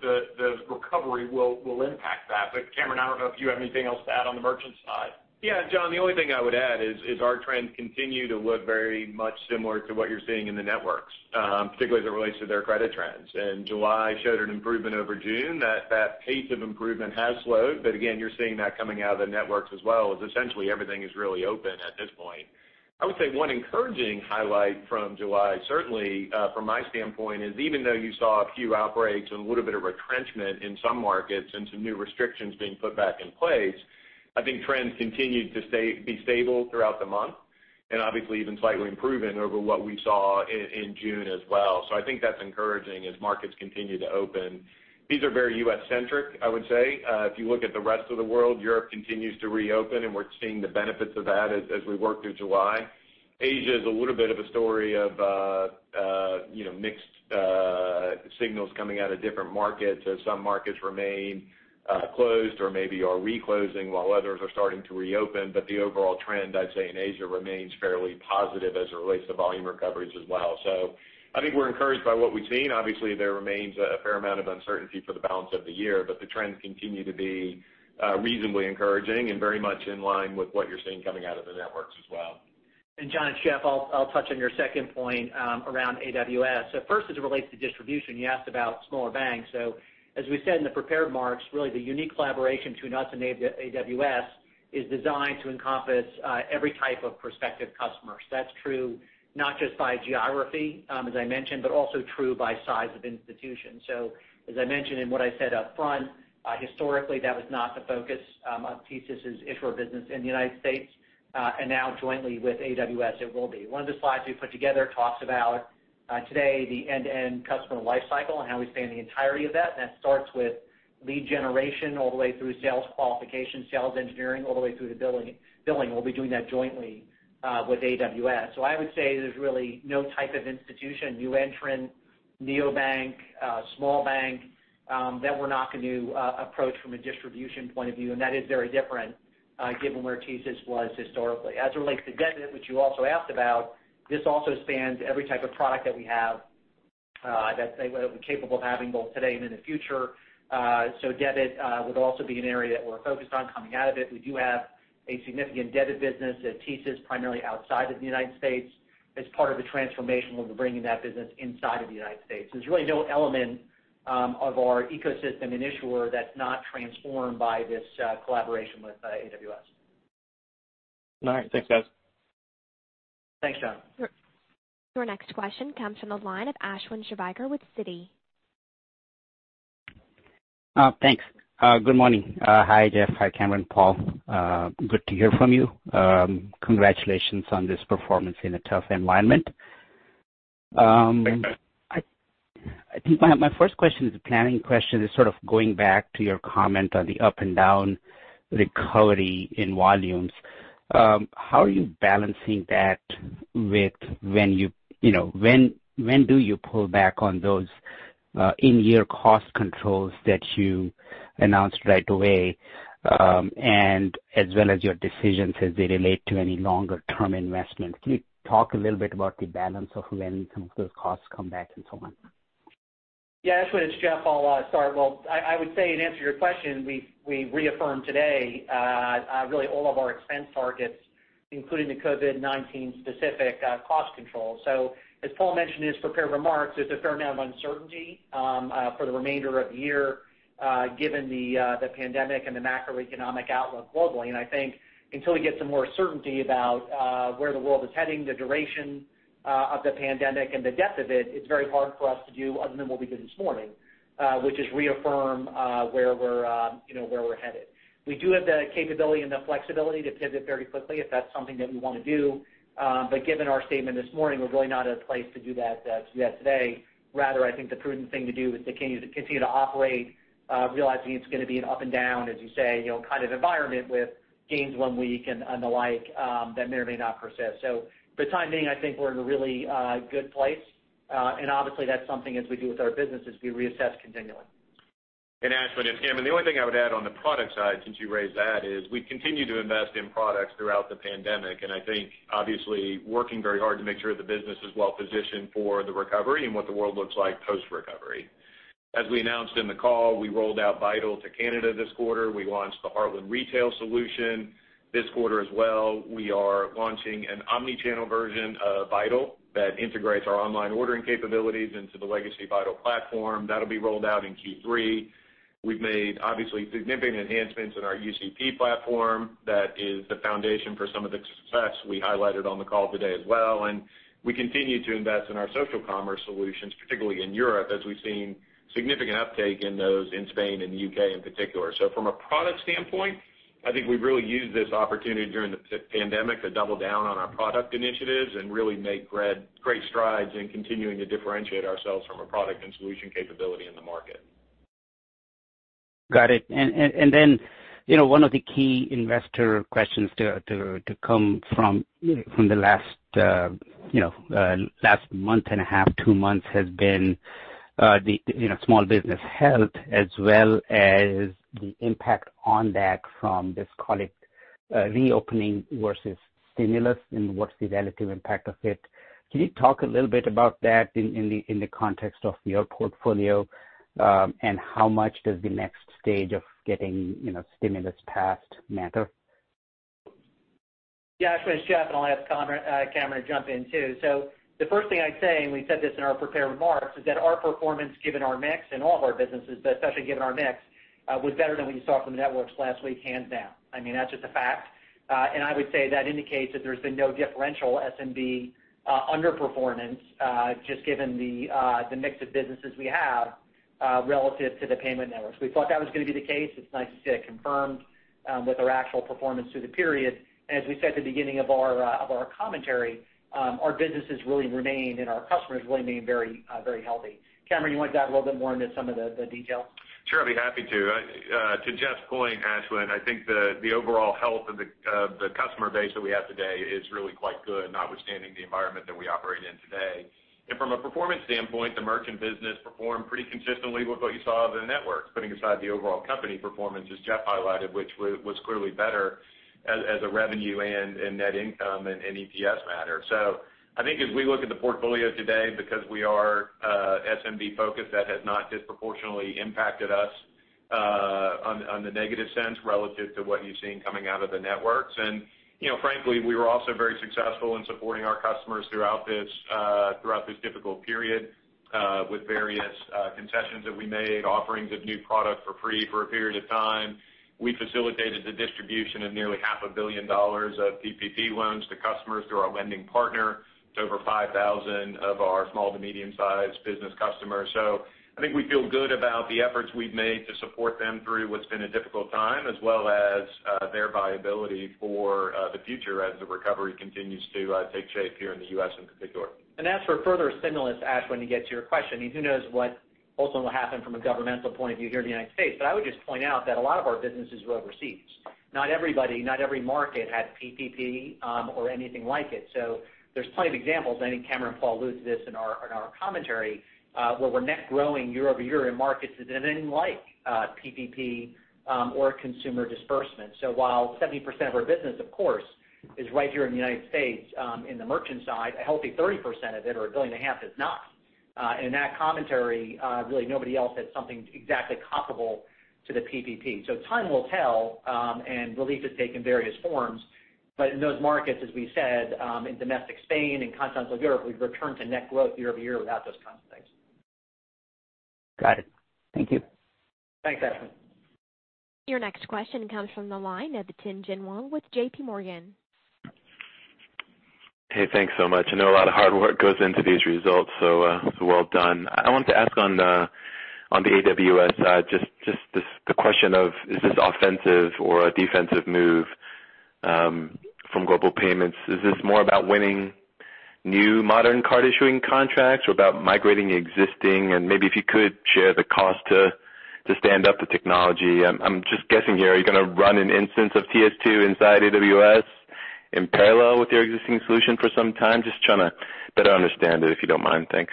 the recovery will impact that. Cameron, I don't know if you have anything else to add on the merchant side. Yeah, John, the only thing I would add is our trends continue to look very much similar to what you're seeing in the networks, particularly as it relates to their credit trends. July showed an improvement over June. That pace of improvement has slowed, but again, you're seeing that coming out of the networks as well, as essentially everything is really open at this point. I would say one encouraging highlight from July, certainly from my standpoint, is even though you saw a few outbreaks and a little bit of retrenchment in some markets and some new restrictions being put back in place, I think trends continued to be stable throughout the month, and obviously even slightly improving over what we saw in June as well. I think that's encouraging as markets continue to open. These are very U.S.-centric, I would say. If you look at the rest of the world, Europe continues to reopen, and we're seeing the benefits of that as we work through July. Asia is a little bit of a story of mixed signals coming out of different markets as some markets remain closed or maybe are reclosing while others are starting to reopen. The overall trend, I'd say, in Asia remains fairly positive as it relates to volume recoveries as well. I think we're encouraged by what we've seen. Obviously, there remains a fair amount of uncertainty for the balance of the year, but the trends continue to be reasonably encouraging and very much in line with what you're seeing coming out of the networks as well. [Hey John, it's Jeff.] I'll touch on your second point around AWS. First, as it relates to distribution, you asked about smaller banks. As we said in the prepared marks, really the unique collaboration between us and AWS is designed to encompass every type of prospective customer. That's true not just by geography, as I mentioned, but also true by size of institution. As I mentioned in what I said up front, historically, that was not the focus of TSYS' issuer business in the United States. Now jointly with AWS, it will be. One of the slides we put together talks about today the end-to-end customer life cycle and how we span the entirety of that. That starts with lead generation all the way through sales qualification, sales engineering, all the way through to billing. We'll be doing that jointly with AWS. I would say there's really no type of institution, new entrant, neobank, small bank that we're not going to approach from a distribution point of view, and that is very different, given where TSYS was historically. As it relates to debit, which you also asked about, this also spans every type of product that we have, that we're capable of having, both today and in the future. Debit would also be an area that we're focused on coming out of it. We do have a significant debit business at TSYS, primarily outside of the U.S. As part of the transformation, we'll be bringing that business inside of the U.S. There's really no element of our ecosystem and issuer that's not transformed by this collaboration with AWS. All right. Thanks, guys. Thanks, John. Your next question comes from the line of Ashwin Shirvaikar with Citi. Thanks. Good morning. Hi, Jeff. Hi, Cameron, Paul. Good to hear from you. Congratulations on this performance in a tough environment. I think my first question is a planning question. It's sort of going back to your comment on the up and down recovery in volumes. How are you balancing that with when do you pull back on those in-year cost controls that you announced right away, and as well as your decisions as they relate to any longer-term investment? Can you talk a little bit about the balance of when some of those costs come back and so on? Yeah, Ashwin, it's Jeff. I'll start. Well, I would say, in answer to your question, we reaffirmed today really all of our expense targets, including the COVID-19 specific cost control. As Paul mentioned in his prepared remarks, there's a fair amount of uncertainty for the remainder of the year, given the pandemic and the macroeconomic outlook globally. I think until we get some more certainty about where the world is heading, the duration of the pandemic, and the depth of it's very hard for us to do other than what we did this morning, which is reaffirm where we're headed. We do have the capability and the flexibility to pivot very quickly if that's something that we want to do. Given our statement this morning, we're really not at a place to do that today. Rather, I think the prudent thing to do is to continue to operate, realizing it's going to be an up and down, as you say, kind of environment with gains one week and the like that may or may not persist. For the time being, I think we're in a really good place. Obviously, that's something as we do with our business is we reassess continually. Ashwin Shirvaikar, it's Cameron Bready. The only thing I would add on the product side, since you raised that, is we continue to invest in products throughout the pandemic, and I think obviously working very hard to make sure the business is well-positioned for the recovery and what the world looks like post-recovery. As we announced in the call, we rolled out Vital to Canada this quarter. We launched the Heartland Retail solution this quarter as well. We are launching an omni-channel version of Vital that integrates our online ordering capabilities into the legacy Vital platform. That'll be rolled out in Q3. We've made obviously significant enhancements in our UCP platform. That is the foundation for some of the success we highlighted on the call today as well, and we continue to invest in our social commerce solutions, particularly in Europe, as we've seen significant uptake in those in Spain and the U.K. in particular. From a product standpoint, I think we've really used this opportunity during the pandemic to double down on our product initiatives and really make great strides in continuing to differentiate ourselves from a product and solution capability in the market. Got it. One of the key investor questions to come from the last month and a half, two months, has been small business health as well as the impact on that from this call it reopening versus stimulus and what's the relative impact of it. Can you talk a little bit about that in the context of your portfolio? How much does the next stage of getting stimulus passed matter? Ashwin Shirvaikar, it's Jeff, and I'll have Cameron Bready jump in, too. The first thing I'd say, and we said this in our prepared remarks, is that our performance, given our mix in all of our businesses, but especially given our mix, was better than what you saw from the networks last week, hands down. I mean, that's just a fact. I would say that indicates that there's been no differential SMB underperformance, just given the mix of businesses we have relative to the payment networks. We thought that was going to be the case. It's nice to see it confirmed with our actual performance through the period. As we said at the beginning of our commentary, our businesses really remained, and our customers really remained very healthy. Cameron Bready, you want to dive a little bit more into some of the details? Sure, I'd be happy to. To Jeff's point, Ashwin, I think the overall health of the customer base that we have today is really quite good, notwithstanding the environment that we operate in today. From a performance standpoint, the merchant business performed pretty consistently with what you saw of the network, putting aside the overall company performance, as Jeff highlighted, which was clearly better as a revenue and net income and EPS matter. I think as we look at the portfolio today, because we are SMB-focused, that has not disproportionately impacted us on the negative sense relative to what you're seeing coming out of the networks. Frankly, we were also very successful in supporting our customers throughout this difficult period with various concessions that we made, offerings of new product for free for a period of time. We facilitated the distribution of nearly half a billion dollars of PPP loans to customers through our lending partner, to over 5,000 of our small to medium-sized business customers. I think we feel good about the efforts we've made to support them through what's been a difficult time, as well as their viability for the future as the recovery continues to take shape here in the U.S. in particular. As for further stimulus, Ashwin Shirvaikar, to get to your question, who knows what ultimately will happen from a governmental point of view here in the U.S. I would just point out that a lot of our businesses were overseas. Not everybody, not every market had PPP or anything like it. There's plenty of examples. I think Cameron, Paul alludes to this in our commentary where we're net growing year-over-year in markets that didn't have anything like PPP or consumer disbursement. While 70% of our business, of course, is right here in the U.S., in the merchant side, a healthy 30% of it, or $1.5 billion, does not. In that commentary, really nobody else has something exactly comparable to the PPP. Time will tell, and relief has taken various forms. In those markets, as we said, in domestic Spain and continental Europe, we've returned to net growth year-over-year without those kinds of things. Got it. Thank you. Thanks, Ashwin. Your next question comes from the line of Tien-Tsin Huang with JPMorgan. Hey, thanks so much. I know a lot of hard work goes into these results, so well done. I wanted to ask on the AWS side, just the question of, is this offensive or a defensive move from Global Payments? Is this more about winning new modern card issuing contracts or about migrating existing? Maybe if you could share the cost to stand up the technology. I'm just guessing here, are you going to run an instance of TS2 inside AWS in parallel with your existing solution for some time? Just trying to better understand it, if you don't mind. Thanks.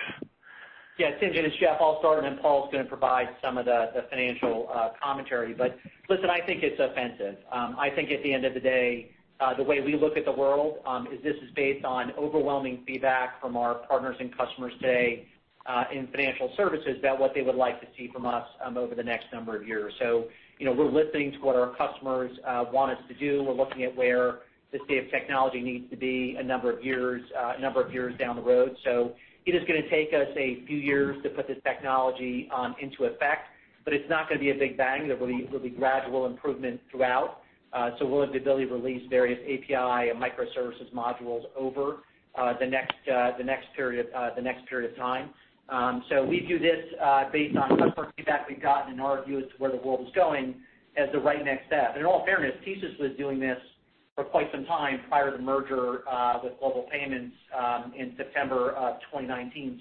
Yeah, Tien-Tsin, it's Jeff. I'll start. Paul's going to provide some of the financial commentary. Listen, I think it's offensive. I think at the end of the day, the way we look at the world is this is based on overwhelming feedback from our partners and customers today in financial services about what they would like to see from us over the next number of years. We're listening to what our customers want us to do. We're looking at where the state of technology needs to be a number of years down the road. It is going to take us a few years to put this technology into effect, but it's not going to be a big bang. There will be gradual improvement throughout. We'll have the ability to release various API and microservices modules over the next period of time. We view this based on customer feedback we've gotten and our view as to where the world is going as the right next step. In all fairness, TSYS was doing this for quite some time prior to the merger with Global Payments in September of 2019.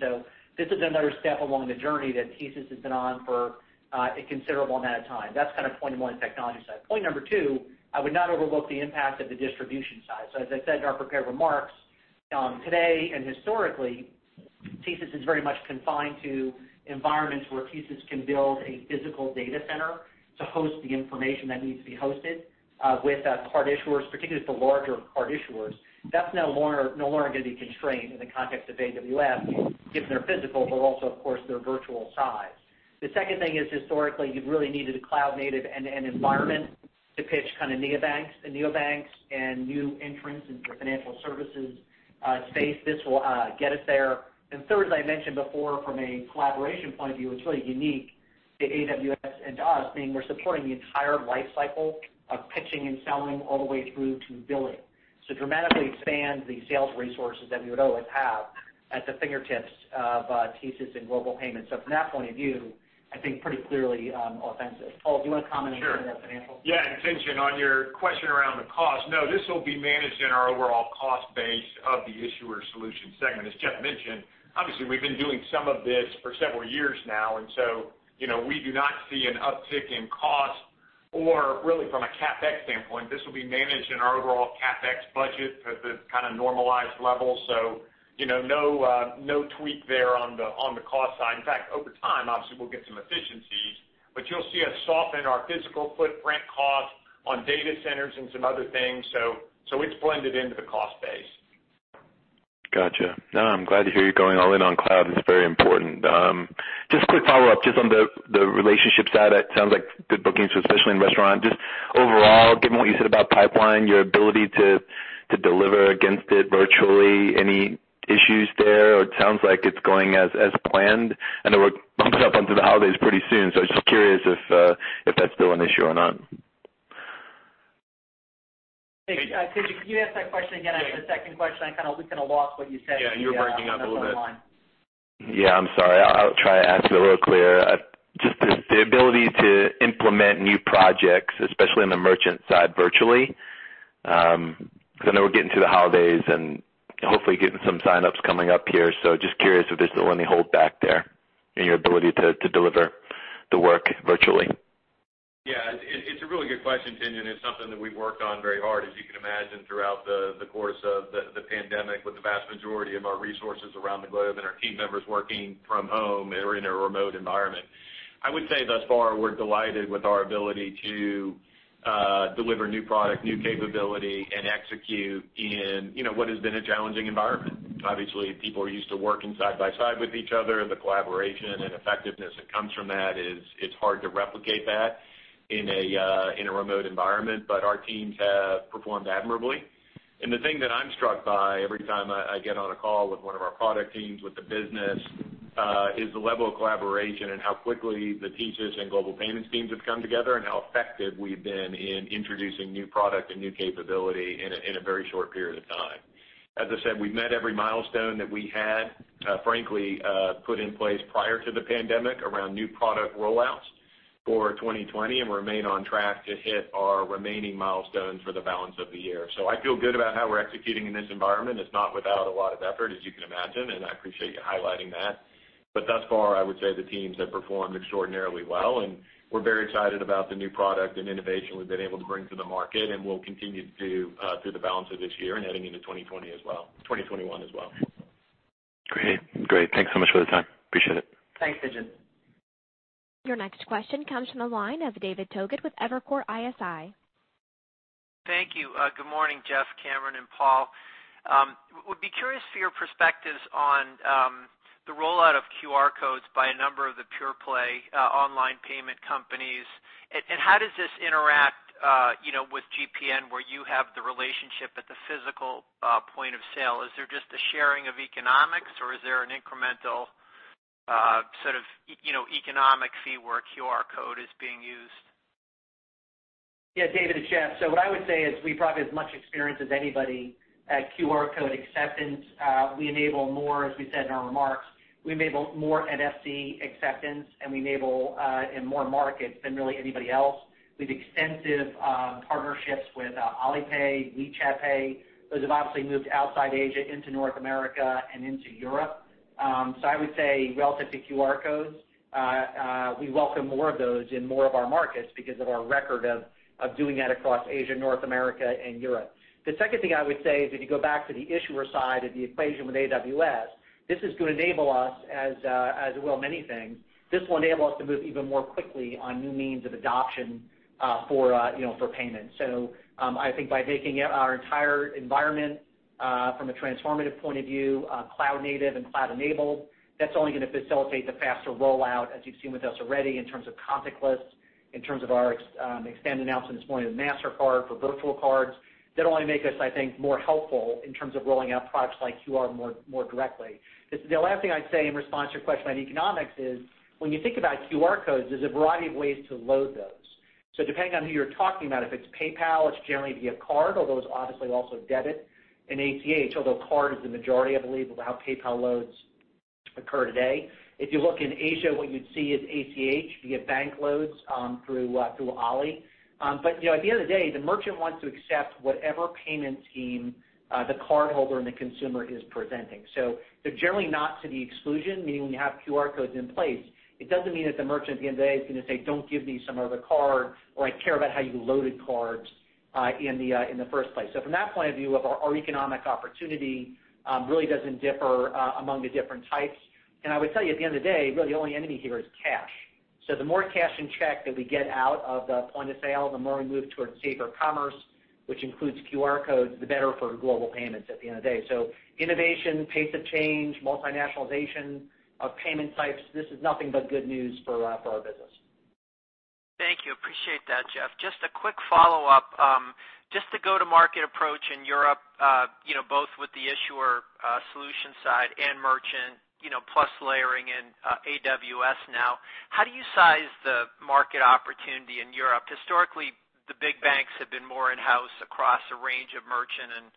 This is another step along the journey that TSYS has been on for a considerable amount of time. That's kind of point 1 on technology side. Point 2, I would not overlook the impact of the distribution side. As I said in our prepared remarks, today and historically, TSYS is very much confined to environments where TSYS can build a physical data center to host the information that needs to be hosted with card issuers, particularly for larger card issuers. That's no longer going to be constrained in the context of AWS, given their physical but also, of course, their virtual size. The second thing is, historically, you'd really needed a cloud-native and an environment to pitch kind of neobanks. The neobanks and new entrants into the financial services space. This will get us there. Third, as I mentioned before, from a collaboration point of view, it's really unique to AWS and to us, being we're supporting the entire life cycle of pitching and selling all the way through to billing. Dramatically expand the sales resources that we would always have at the fingertips of TSYS and Global Payments. From that point of view, I think pretty clearly offensive. Paul, do you want to comment anything on the financial? Sure. Yeah, Tien-Tsin, on your question around the cost, no, this will be managed in our overall cost base of the Issuer Solution Segment. As Jeff mentioned, obviously, we've been doing some of this for several years now, we do not see an uptick in cost or really from a CapEx standpoint. This will be managed in our overall CapEx budget at the kind of normalized level. No tweak there on the cost side. In fact, over time, obviously, we'll get some efficiencies, you'll see us soften our physical footprint cost on data centers and some other things. It's blended into the cost base. Got you. No, I'm glad to hear you're going all in on cloud. It's very important. Just quick follow-up, just on the relationship side. It sounds like good bookings, especially in restaurant. Just overall, given what you said about pipeline, your ability to deliver against it virtually, any issues there, or it sounds like it's going as planned, I know we're bumping up onto the holidays pretty soon. I was just curious if that's still an issue or not. Hey, could you ask that question again, the second question? We kind of lost what you said. Yeah, you were breaking up a little bit. On the line. Yeah, I'm sorry. I'll try to ask it a little clearer. Just the ability to implement new projects, especially on the merchant side, virtually. I know we're getting to the holidays and hopefully getting some sign-ups coming up here. Just curious if there's still any holdback there in your ability to deliver the work virtually. Yeah. It's a really good question, Tien-Tsin. It's something that we've worked on very hard, as you can imagine, throughout the course of the pandemic, with the vast majority of our resources around the globe and our team members working from home or in a remote environment. I would say thus far, we're delighted with our ability to deliver new product, new capability, and execute in what has been a challenging environment. Obviously, people are used to working side by side with each other. The collaboration and effectiveness that comes from that, it's hard to replicate that in a remote environment. Our teams have performed admirably. The thing that I'm struck by every time I get on a call with one of our product teams, with the business, is the level of collaboration and how quickly the TSYS and Global Payments teams have come together, and how effective we've been in introducing new product and new capability in a very short period of time. As I said, we've met every milestone that we had, frankly, put in place prior to the pandemic around new product rollouts for 2020 and remain on track to hit our remaining milestones for the balance of the year. I feel good about how we're executing in this environment. It's not without a lot of effort, as you can imagine, and I appreciate you highlighting that. Thus far, I would say the teams have performed extraordinarily well, and we're very excited about the new product and innovation we've been able to bring to the market, and will continue to do through the balance of this year and heading into 2021 as well. Great. Thanks so much for the time. Appreciate it. Thanks, Tien-Tsin. Your next question comes from the line of David Togut with Evercore ISI. Thank you. Good morning, Jeff, Cameron, and Paul. Would be curious for your perspectives on the rollout of QR codes by a number of the pure-play online payment companies. How does this interact with GPN, where you have the relationship at the physical point of sale? Is there just a sharing of economics or is there an incremental sort of economic fee where a QR code is being used? Yeah, David, it's Jeff. What I would say is we probably have as much experience as anybody at QR code acceptance. We enable more, as we said in our remarks, we enable more NFC acceptance and we enable in more markets than really anybody else. We have extensive partnerships with Alipay, WeChat Pay. Those have obviously moved outside Asia into North America and into Europe. I would say relative to QR codes, we welcome more of those in more of our markets because of our record of doing that across Asia, North America, and Europe. The second thing I would say is if you go back to the issuer side of the equation with AWS, this is going to enable us, as it will many things, this will enable us to move even more quickly on new means of adoption for payments. I think by making our entire environment, from a transformative point of view, cloud-native and cloud-enabled, that's only going to facilitate the faster rollout as you've seen with us already in terms of contactless, in terms of our expanded announcement this morning with Mastercard for virtual cards. That'll only make us, I think, more helpful in terms of rolling out products like QR more directly. The last thing I'd say in response to your question on economics is, when you think about QR codes, there's a variety of ways to load those. Depending on who you're talking about, if it's PayPal, it's generally via card, although it's obviously also debit and ACH. Although card is the majority, I believe of how PayPal loads occur today. If you look in Asia, what you'd see is ACH via bank loads through Alipay. At the end of the day, the merchant wants to accept whatever payment scheme the cardholder and the consumer is presenting. They're generally not to the exclusion, meaning when you have QR codes in place, it doesn't mean that the merchant, at the end of the day, is going to say, "Don't give me some other card," or "I care about how you loaded cards in the first place." From that point of view, our economic opportunity really doesn't differ among the different types. I would tell you, at the end of the day, really the only enemy here is cash. The more cash and check that we get out of the point of sale, the more we move towards safer commerce, which includes QR codes, the better for Global Payments at the end of the day. Innovation, pace of change, multinationalization of payment types, this is nothing but good news for our business. Thank you. Appreciate that, Jeff. Just a quick follow-up. Just the go-to-market approach in Europe, both with the issuer solution side and merchant, plus layering in AWS now, how do you size the market opportunity in Europe? Historically, the big banks have been more in-house across a range of merchant and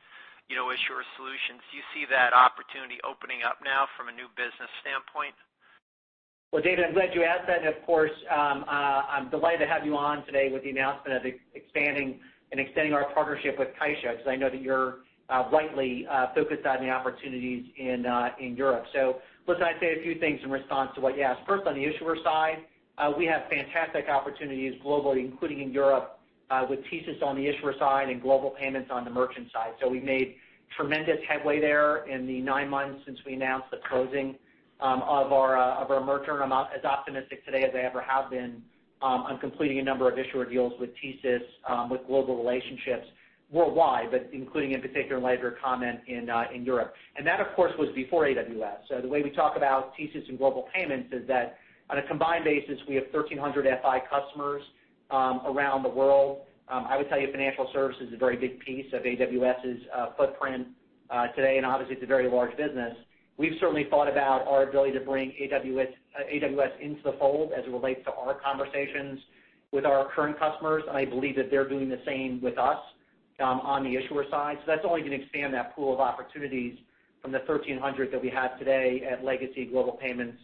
issuer solutions. Do you see that opportunity opening up now from a new business standpoint? Well, David, I'm glad you asked that, and of course, I'm delighted to have you on today with the announcement of expanding and extending our partnership with Caixa because I know that you're rightly focused on the opportunities in Europe. Listen, I'd say a few things in response to what you asked. First, on the issuer side, we have fantastic opportunities globally, including in Europe, with TSYS on the issuer side and Global Payments on the merchant side. We've made tremendous headway there in the nine months since we announced the closing of our merger, and I'm as optimistic today as I ever have been on completing a number of issuer deals with TSYS with global relationships worldwide, but including in particular in light of your comment in Europe. That, of course, was before AWS. The way we talk about TSYS and Global Payments is that on a combined basis, we have 1,300 FI customers around the world. I would tell you financial services is a very big piece of AWS's footprint today, and obviously, it's a very large business. We've certainly thought about our ability to bring AWS into the fold as it relates to our conversations with our current customers. I believe that they're doing the same with us on the issuer side. That's only going to expand that pool of opportunities from the 1,300 that we have today at Legacy Global Payments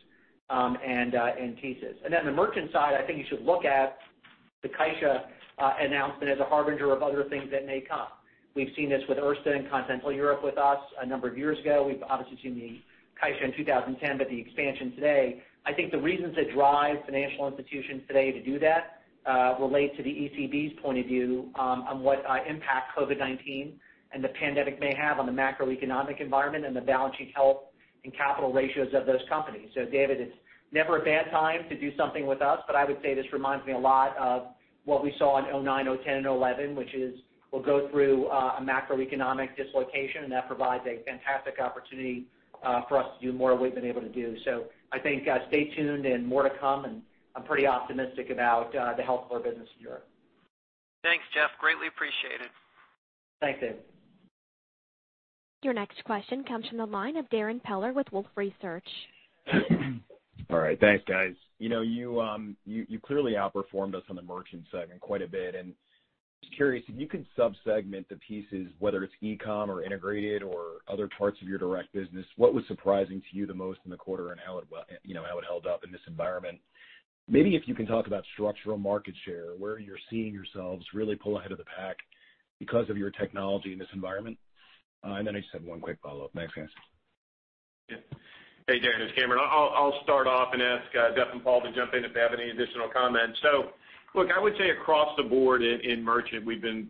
and TSYS. On the merchant side, I think you should look at the Caixa announcement as a harbinger of other things that may come. We've seen this with Erste in continental Europe with us a number of years ago. We've obviously seen the Caixa in 2010, but the expansion today. I think the reasons that drive financial institutions today to do that relate to the ECB's point of view on what impact COVID-19 and the pandemic may have on the macroeconomic environment and the balancing health. Capital ratios of those companies. David, it's never a bad time to do something with us, but I would say this reminds me a lot of what we saw in 2009, 2010, and 2011, which is we'll go through a macroeconomic dislocation, and that provides a fantastic opportunity for us to do more than we've been able to do. I think stay tuned and more to come, and I'm pretty optimistic about the health of our business in Europe. Thanks, Jeff. Greatly appreciated. Thanks, David. Your next question comes from the line of Darrin Peller with Wolfe Research. All right. Thanks, guys. You clearly outperformed us on the merchant side quite a bit. Just curious if you could sub-segment the pieces, whether it's e-com or integrated or other parts of your direct business, what was surprising to you the most in the quarter and how it held up in this environment? Maybe if you can talk about structural market share, where you're seeing yourselves really pull ahead of the pack because of your technology in this environment. I just have one quick follow-up. Thanks, guys. Yeah. Hey, Darrin, it's Cameron. I'll start off and ask Jeff and Paul to jump in if they have any additional comments. Look, I would say across the board in merchant, we've been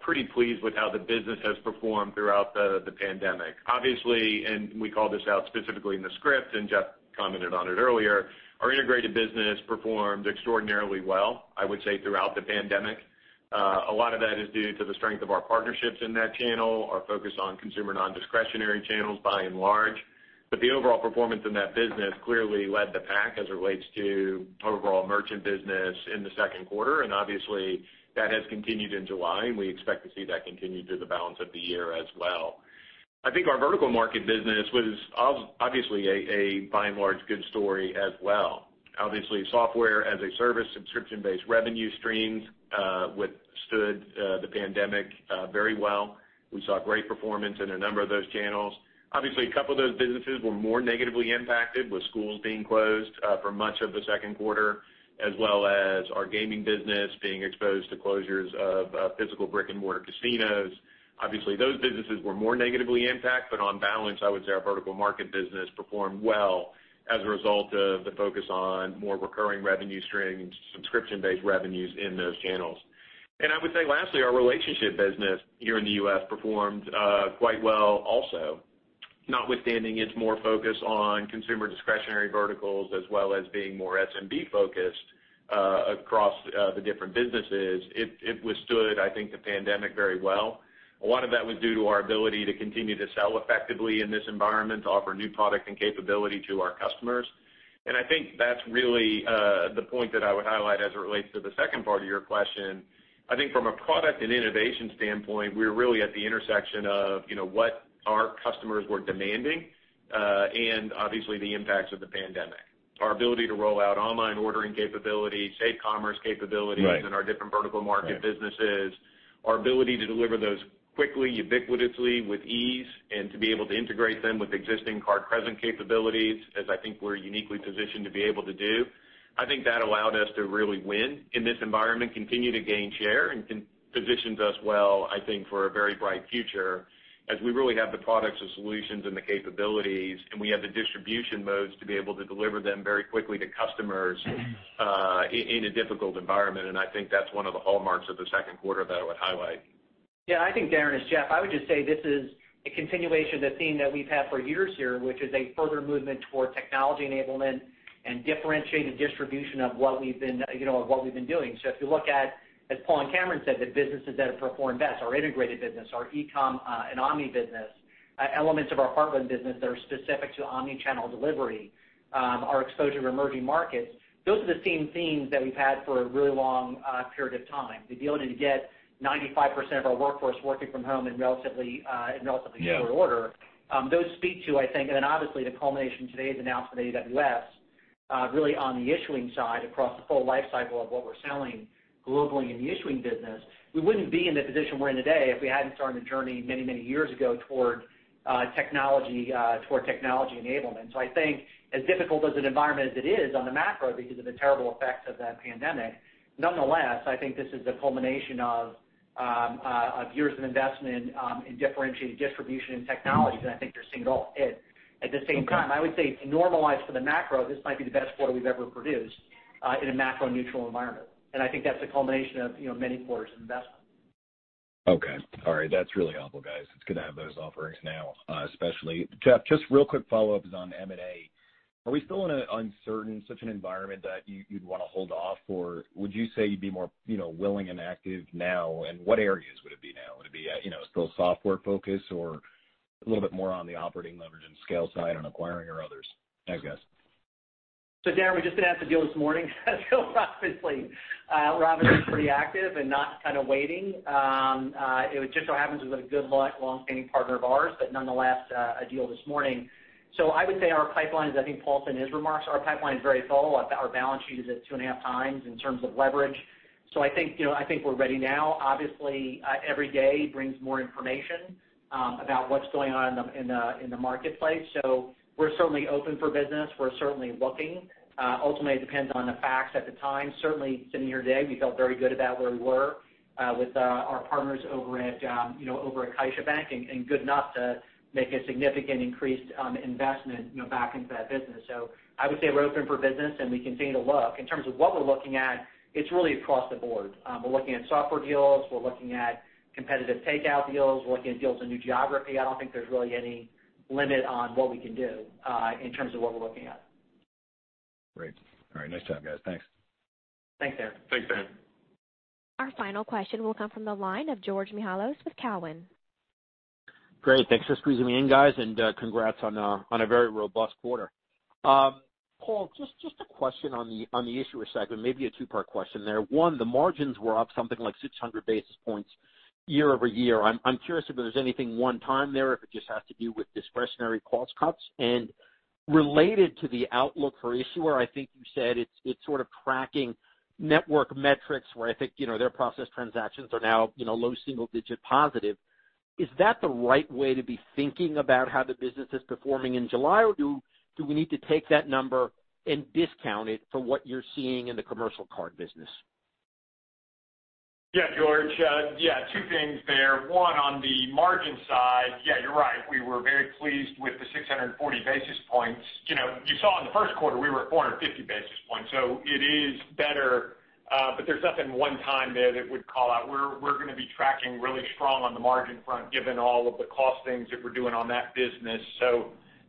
pretty pleased with how the business has performed throughout the pandemic. Obviously, we called this out specifically in the script, and Jeff commented on it earlier, our integrated business performed extraordinarily well, I would say, throughout the pandemic. A lot of that is due to the strength of our partnerships in that channel, our focus on consumer non-discretionary channels by and large. The overall performance in that business clearly led the pack as it relates to overall merchant business in the second quarter. Obviously, that has continued in July, and we expect to see that continue through the balance of the year as well. I think our vertical market business was obviously a, by and large, good story as well. Obviously, software-as-a-service subscription-based revenue streams withstood the pandemic very well. We saw great performance in a number of those channels. Obviously, a couple of those businesses were more negatively impacted with schools being closed for much of the second quarter, as well as our gaming business being exposed to closures of physical brick-and-mortar casinos. Obviously, those businesses were more negatively impacted, but on balance, I would say our vertical market business performed well as a result of the focus on more recurring revenue streams, subscription-based revenues in those channels. I would say lastly, our relationship business here in the U.S. performed quite well also. Notwithstanding its more focus on consumer discretionary verticals, as well as being more SMB-focused across the different businesses, it withstood, I think, the pandemic very well. A lot of that was due to our ability to continue to sell effectively in this environment, to offer new product and capability to our customers. I think that's really the point that I would highlight as it relates to the second part of your question. I think from a product and innovation standpoint, we're really at the intersection of what our customers were demanding, and obviously the impacts of the pandemic. Our ability to roll out online ordering capabilities, safe commerce capabilities. Right in our different vertical market businesses. Our ability to deliver those quickly, ubiquitously, with ease, and to be able to integrate them with existing card-present capabilities as I think we're uniquely positioned to be able to do. I think that allowed us to really win in this environment, continue to gain share, and positions us well, I think, for a very bright future as we really have the products, the solutions, and the capabilities, and we have the distribution modes to be able to deliver them very quickly to customers in a difficult environment. I think that's one of the hallmarks of the second quarter that I would highlight. Yeah, I think, Darrin, it's Jeff. I would just say this is a continuation of the theme that we've had for years here, which is a further movement toward technology enablement and differentiated distribution of what we've been doing. If you look at, as Paul and Cameron said, the businesses that have performed best, our integrated business, our e-com and omni business, elements of our Heartland business that are specific to omni-channel delivery, our exposure to emerging markets. Those are the same themes that we've had for a really long period of time. The ability to get 95% of our workforce working from home in relatively short order. Yeah. Those speak to, I think, and then obviously the culmination of today's announcement of AWS, really on the issuing side across the full life cycle of what we're selling globally in the issuing business. We wouldn't be in the position we're in today if we hadn't started the journey many years ago toward technology enablement. I think as difficult as an environment as it is on the macro because of the terrible effects of that pandemic, nonetheless, I think this is the culmination of years of investment in differentiated distribution and technologies, and I think you're seeing it all. At the same time, I would say normalized for the macro, this might be the best quarter we've ever produced in a macro-neutral environment. I think that's the culmination of many quarters of investment. Okay. All right. That's really helpful, guys. It's good to have those offerings now, especially. Jeff, just real quick follow-up on the M&A. Are we still in such an environment that you'd want to hold off, or would you say you'd be more willing and active now, and what areas would it be now? Would it be still software-focused or a little bit more on the operating leverage and scale side on acquiring or others? Thanks, guys. Darrin, we just announced the deal this morning. Obviously, Robin is pretty active and not kind of waiting. It just so happens it was a good longstanding partner of ours, but nonetheless, a deal this morning. I would say our pipeline is, I think Paul said in his remarks, our pipeline is very full. Our balance sheet is at 2.5x in terms of leverage. I think we're ready now. Obviously, every day brings more information about what's going on in the marketplace. We're certainly open for business. We're certainly looking. Ultimately, it depends on the facts at the time. Certainly, sitting here today, we felt very good about where we were with our partners over at CaixaBank, and good enough to make a significant increased investment back into that business. I would say we're open for business, and we continue to look. In terms of what we're looking at, it's really across the board. We're looking at software deals. We're looking at competitive takeout deals. We're looking at deals in new geography. I don't think there's really any limit on what we can do in terms of what we're looking at. Great. All right. Nice job, guys. Thanks. Thanks, Darrin. Thanks, Darrin. Our final question will come from the line of George Mihalos with Cowen. Great. Thanks for squeezing me in, guys, and congrats on a very robust quarter. Paul, just a question on the issuer segment, maybe a two-part question there. One, the margins were up something like 600 basis points year-over-year. I'm curious if there's anything one time there, if it just has to do with discretionary cost cuts. Related to the outlook for issuer, I think you said it's sort of tracking network metrics where I think their process transactions are now low single digit positive. Is that the right way to be thinking about how the business is performing in July, or do we need to take that number and discount it for what you're seeing in the commercial card business? Yeah, George. Two things there. One, on the margin side, yeah, you're right. We were very pleased with the 640 basis points. You saw in the first quarter, we were at 450 basis points. It is better. There's nothing one time there that we'd call out. We're going to be tracking really strong on the margin front given all of the cost things that we're doing on that business.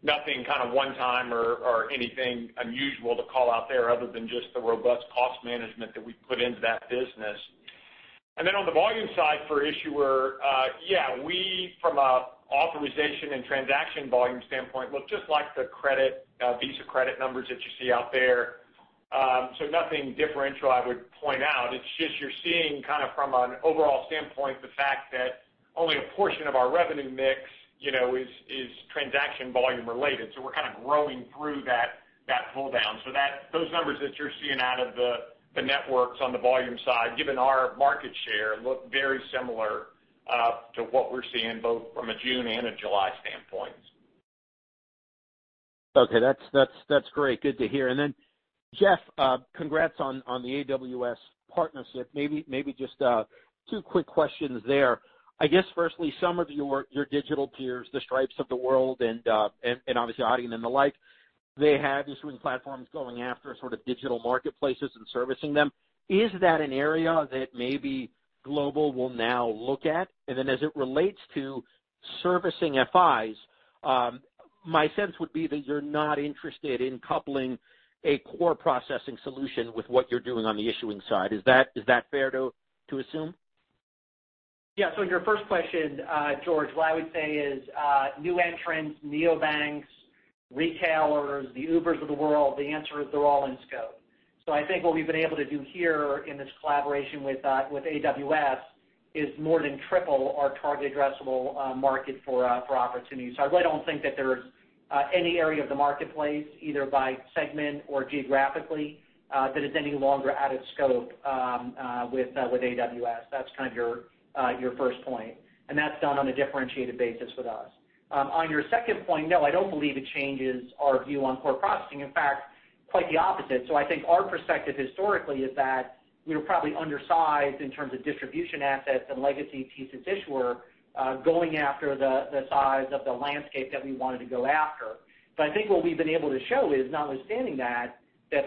Nothing kind of one time or anything unusual to call out there other than just the robust cost management that we put into that business. On the volume side for issuer, from an authorization and transaction volume standpoint, look just like the Visa credit numbers that you see out there. Nothing differential I would point out. It's just you're seeing kind of from an overall standpoint, the fact that only a portion of our revenue mix is transaction volume related. We're kind of growing through that pull down. Those numbers that you're seeing out of the networks on the volume side, given our market share, look very similar to what we're seeing both from a June and a July standpoint. Okay, that's great. Good to hear. Jeff, congrats on the AWS partnership. Maybe just two quick questions there. I guess firstly, some of your digital peers, the Stripes of the world and obviously Adyen and the like, they have issuing platforms going after sort of digital marketplaces and servicing them. Is that an area that maybe Global will now look at? As it relates to servicing FIs, my sense would be that you're not interested in coupling a core processing solution with what you're doing on the issuing side. Is that fair to assume? Your first question, George, what I would say is new entrants, neobanks, retailers, the Ubers of the world, the answer is they're all in scope. I think what we've been able to do here in this collaboration with AWS is more than triple our target addressable market for opportunities. I really don't think that there's any area of the marketplace, either by segment or geographically, that is any longer out of scope with AWS. That's kind of your first point. That's done on a differentiated basis with us. On your second point, no, I don't believe it changes our view on core processing. In fact, quite the opposite. I think our perspective historically is that we were probably undersized in terms of distribution assets and legacy pieces issuer going after the size of the landscape that we wanted to go after. I think what we've been able to show is notwithstanding that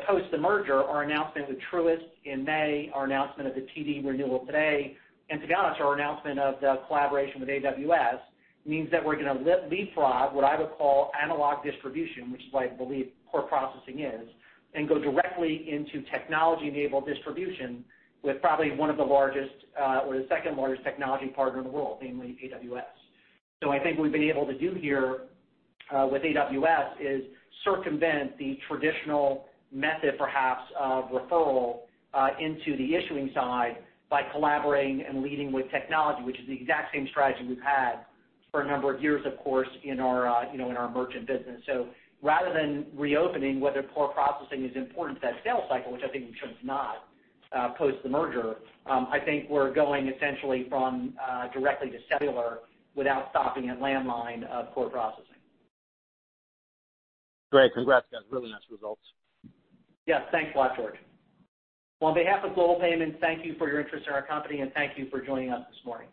post the merger, our announcement with Truist in May, our announcement of the TD renewal today, and to be honest, our announcement of the collaboration with AWS means that we're going to leapfrog what I would call analog distribution, which is what I believe core processing is, and go directly into technology-enabled distribution with probably one of the largest or the second largest technology partner in the world, namely AWS. I think what we've been able to do here with AWS is circumvent the traditional method perhaps of referral into the issuing side by collaborating and leading with technology, which is the exact same strategy we've had for a number of years, of course, in our merchant business. Rather than reopening whether core processing is important to that sales cycle, which I think we've shown it's not post the merger, I think we're going essentially from directly to cellular without stopping at landline core processing. Great. Congrats, guys. Really nice results. Yeah. Thanks a lot, George. Well, on behalf of Global Payments, thank you for your interest in our company, and thank you for joining us this morning.